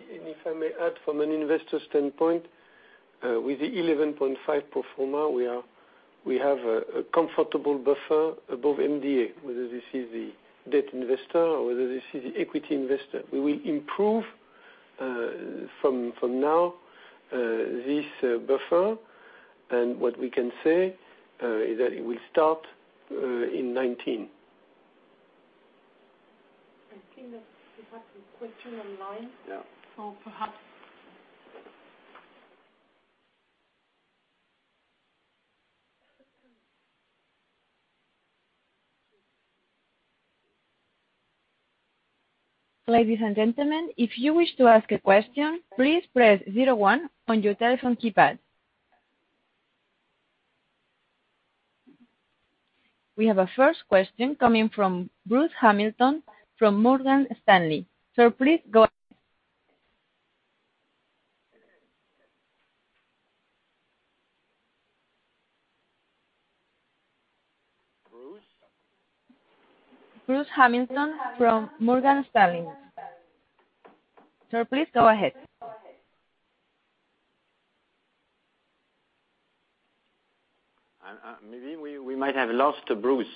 If I may add from an investor standpoint, with the 11.5 pro forma, we have a comfortable buffer above MDA, whether this is the debt investor or whether this is the equity investor. We will improve from now this buffer. What we can say is that it will start in 2019. I think that we have a question online. Yeah. Perhaps Ladies and gentlemen, if you wish to ask a question, please press zero one on your telephone keypad. We have a first question coming from Bruce Hamilton from Morgan Stanley. Sir, please go ahead. Bruce? Bruce Hamilton from Morgan Stanley. Sir, please go ahead. Maybe we might have lost Bruce.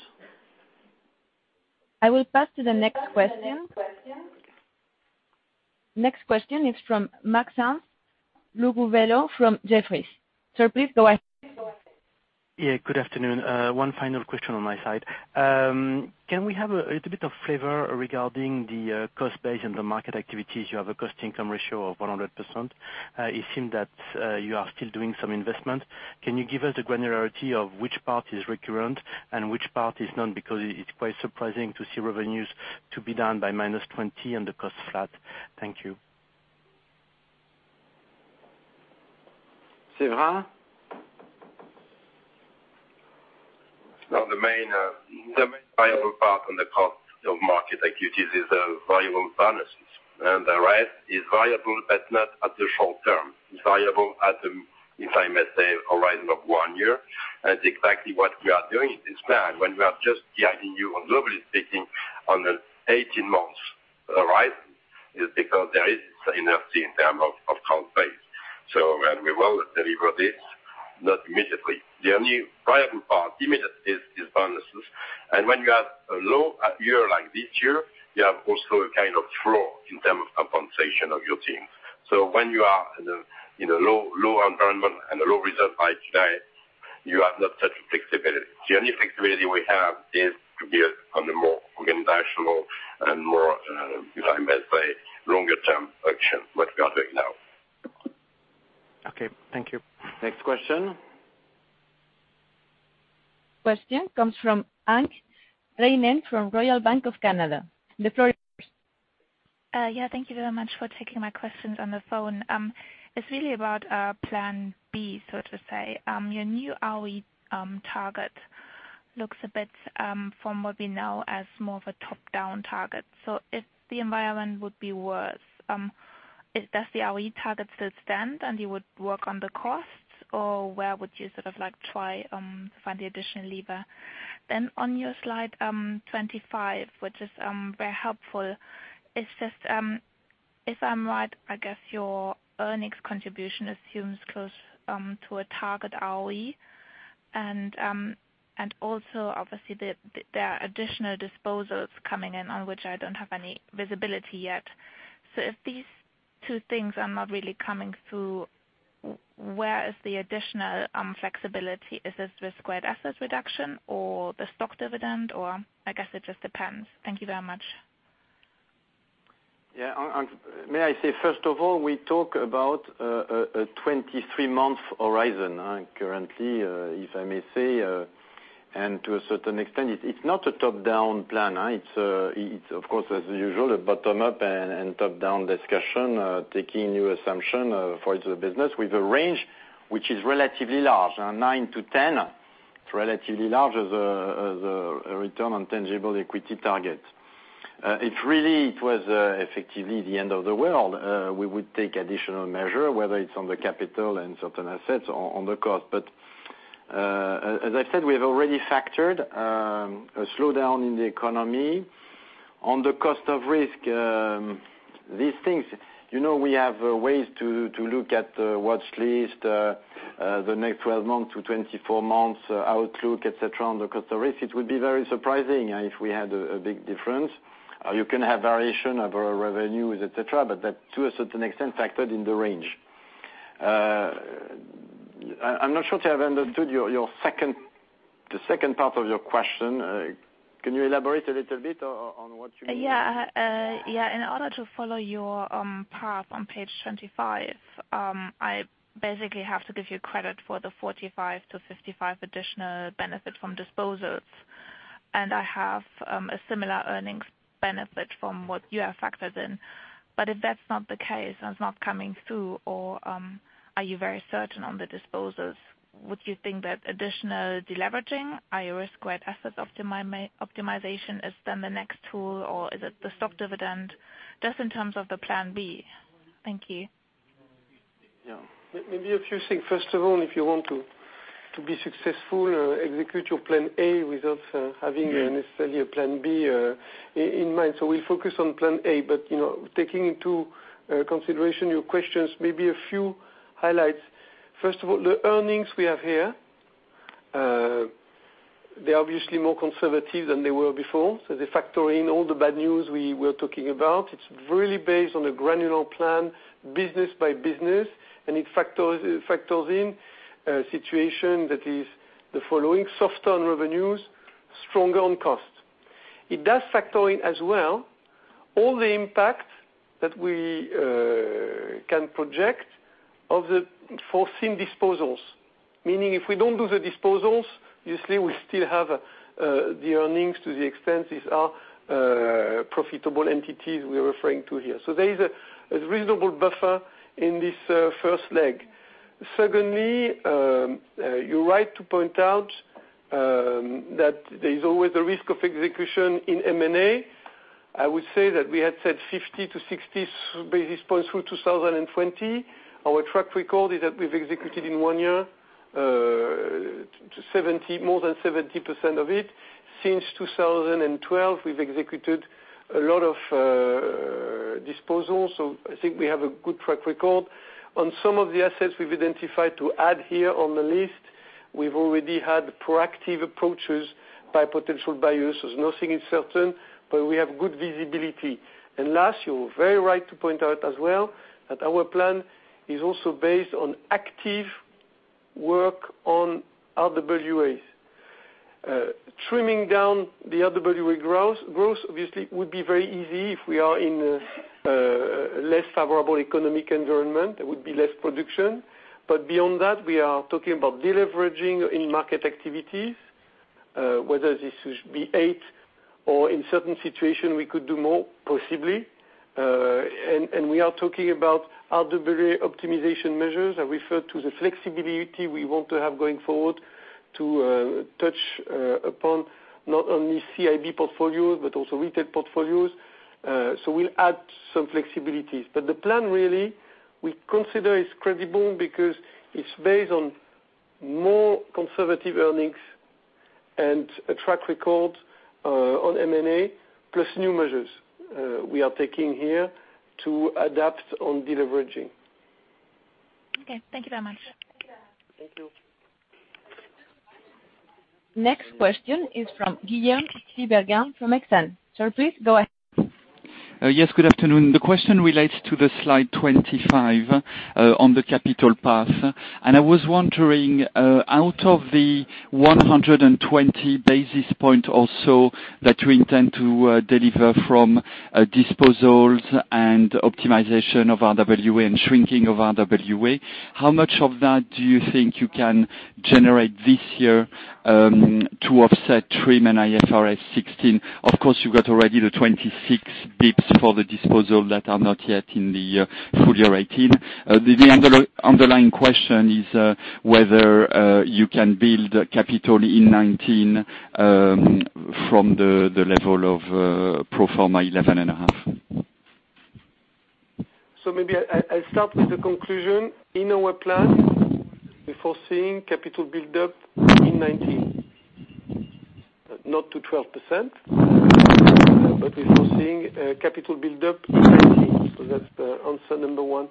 I will pass to the next question. Next question is from Maxence Le Gouvello from Jefferies. Sir, please go ahead. Yeah, good afternoon. One final question on my side. Can we have a little bit of flavor regarding the cost base and the market activities? You have a cost income ratio of 100%. It seems that you are still doing some investment. Can you give us the granularity of which part is recurrent and which part is not? Because it's quite surprising to see revenues to be down by -20% and the cost flat. Thank you. Séverin? The main variable part on the cost of market activities is variable bonuses, and the rest is variable, but not at the short term. It's variable at the, if I may say, a horizon of one year, and exactly what we are doing is planned. When we are just guiding you on globally speaking on the 18 months horizon, is because there is enough in terms of cost base. When we will deliver this, not immediately. The only variable part immediate is bonuses. When you have a low year like this year, you have also a kind of trough in terms of compensation of your teams. When you are in a low environment and a low result like today, you have not such flexibility. The only flexibility we have is to build on the more organizational and more, if I may say, longer term action, what we are doing now. Okay. Thank you. Next question. Question comes from Anke Reingen from Royal Bank of Canada. The floor is yours. Yeah. Thank you very much for taking my questions on the phone. It's really about our plan B, so to say. Your new ROE target looks a bit, from what we know, as more of a top-down target. If the environment would be worse, does the ROE target still stand and you would work on the costs, or where would you sort of try find the additional lever? On your slide 25, which is very helpful, if I'm right, I guess your earnings contribution assumes close to a target ROE, and also obviously there are additional disposals coming in on which I don't have any visibility yet. If these two things are not really coming through, where is the additional flexibility? Is this risk-weighted assets reduction or the stock dividend, or I guess it just depends. Thank you very much. Anke, may I say, first of all, we talk about a 23-month horizon currently, if I may say. To a certain extent, it is not a top-down plan. It is of course, as usual, a bottom-up and top-down discussion, taking new assumption for the business with a range which is relatively large. 9%-10%, it is relatively large as a return on tangible equity target. If really it was effectively the end of the world, we would take additional measure, whether it is on the capital and certain assets or on the cost. As I said, we have already factored a slowdown in the economy. On the cost of risk, these things, we have ways to look at the watchlist, the next 12-24 months outlook, et cetera, on the cost of risk. It would be very surprising if we had a big difference. You can have variation of our revenues, et cetera, that, to a certain extent, factored in the range. I am not sure to have understood the second part of your question. Can you elaborate a little bit on what you mean? In order to follow your path on page 25, I basically have to give you credit for the 45-55 additional benefit from disposals, I have a similar earnings benefit from what you have factored in. If that is not the case and it is not coming through, or are you very certain on the disposals, would you think that additional deleveraging, higher risk-weighted assets optimization is the next tool, or is it the stock dividend? Just in terms of the plan B. Thank you. Maybe a few things. First of all, if you want to be successful, execute your plan A without having necessarily a plan B in mind. We will focus on plan A, taking into consideration your questions, maybe a few highlights. First of all, the earnings we have here, they are obviously more conservative than they were before. They factor in all the bad news we were talking about. It is really based on a granular plan, business by business, it factors in a situation that is the following: softer on revenues, stronger on costs. It does factor in as well, all the impact that we can project of the foreseen disposals. Meaning, if we do not do the disposals, obviously, we still have the earnings to the extent these are profitable entities we are referring to here. There is a reasonable buffer in this first leg. Secondly, you're right to point out that there's always a risk of execution in M&A. I would say that we had said 50 - 60 basis points through 2020. Our track record is that we've executed in one year, more than 70% of it. Since 2012, we've executed a lot of disposals. I think we have a good track record. On some of the assets we've identified to add here on the list, we've already had proactive approaches by potential buyers. Nothing is certain, but we have good visibility. Last, you're very right to point out as well, that our plan is also based on active work on RWAs. Trimming down the RWA growth, obviously, would be very easy if we are in a less favorable economic environment, there would be less production. Beyond that, we are talking about deleveraging in market activities. Whether this should be eight, or in certain situation, we could do more, possibly. We are talking about RWA optimization measures. I refer to the flexibility we want to have going forward to touch upon not only CIB portfolios, but also retail portfolios. We'll add some flexibilities. The plan really, we consider is credible because it's based on more conservative earnings and a track record on M&A, plus new measures we are taking here to adapt on deleveraging. Okay. Thank you very much. Thank you. Next question is from Guillaume Tiberghien from Exane. Sir, please go ahead. Yes, good afternoon. The question relates to slide 25 on the capital path. I was wondering, out of the 120 basis points or so that you intend to deliver from disposals and optimization of RWA and shrinking of RWA, how much of that do you think you can generate this year, to offset TRIM and IFRS 16? Of course, you have already the 26 basis points for the disposal that are not yet in the full year 2018. The underlying question is whether you can build capital in 2019 from the level of pro forma 11.5%. Maybe I start with the conclusion. In our plan, we're foreseeing capital build-up in 2019. Not to 12%, but we're foreseeing capital build-up in 2019. That's the answer number one.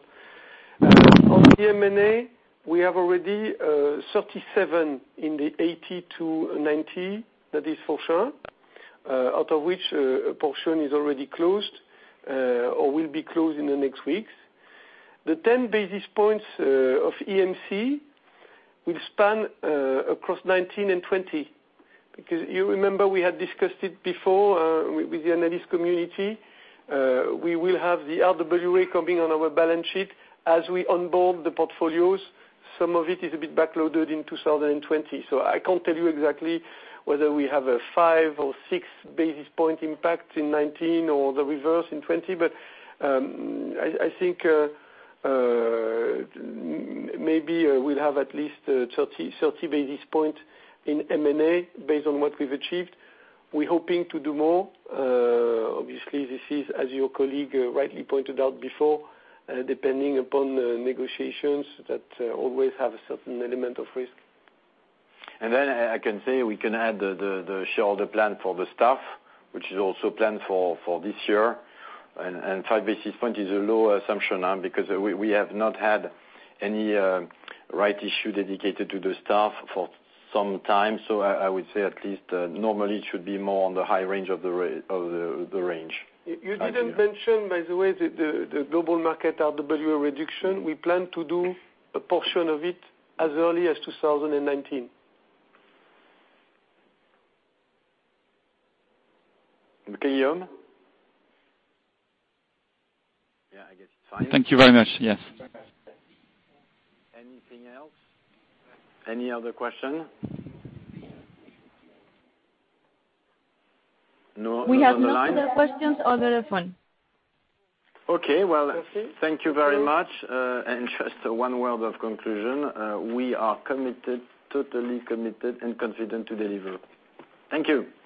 On the M&A, we have already 37 basis points in the 80-90 basis points, that is for sure, out of which a portion is already closed or will be closed in the next weeks. The 10 basis points of EMC will span across 2019 and 2020. You remember we had discussed it before, with the analyst community. We will have the RWA coming on our balance sheet as we onboard the portfolios. Some of it is a bit back-loaded in 2020. I can't tell you exactly whether we have a five or six basis points impact in 2019 or the reverse in 2020. I think maybe we'll have at least 30 basis points in M&A based on what we've achieved. We're hoping to do more. Obviously, this is, as your colleague rightly pointed out before, depending upon negotiations that always have a certain element of risk. I can say we can add the shareholder plan for the staff, which is also planned for this year. five basis points is a low assumption because we have not had any rights issue dedicated to the staff for some time. I would say at least, normally it should be more on the high range of the range. You didn't mention, by the way, the Global Markets RWA reduction. We plan to do a portion of it as early as 2019. Guillaume? Yeah, I guess it's fine. Thank you very much. Yes. Anything else? Any other question? We have no other questions on the phone. Okay. Well, thank you very much. Just one word of conclusion. We are committed, totally committed and confident to deliver. Thank you.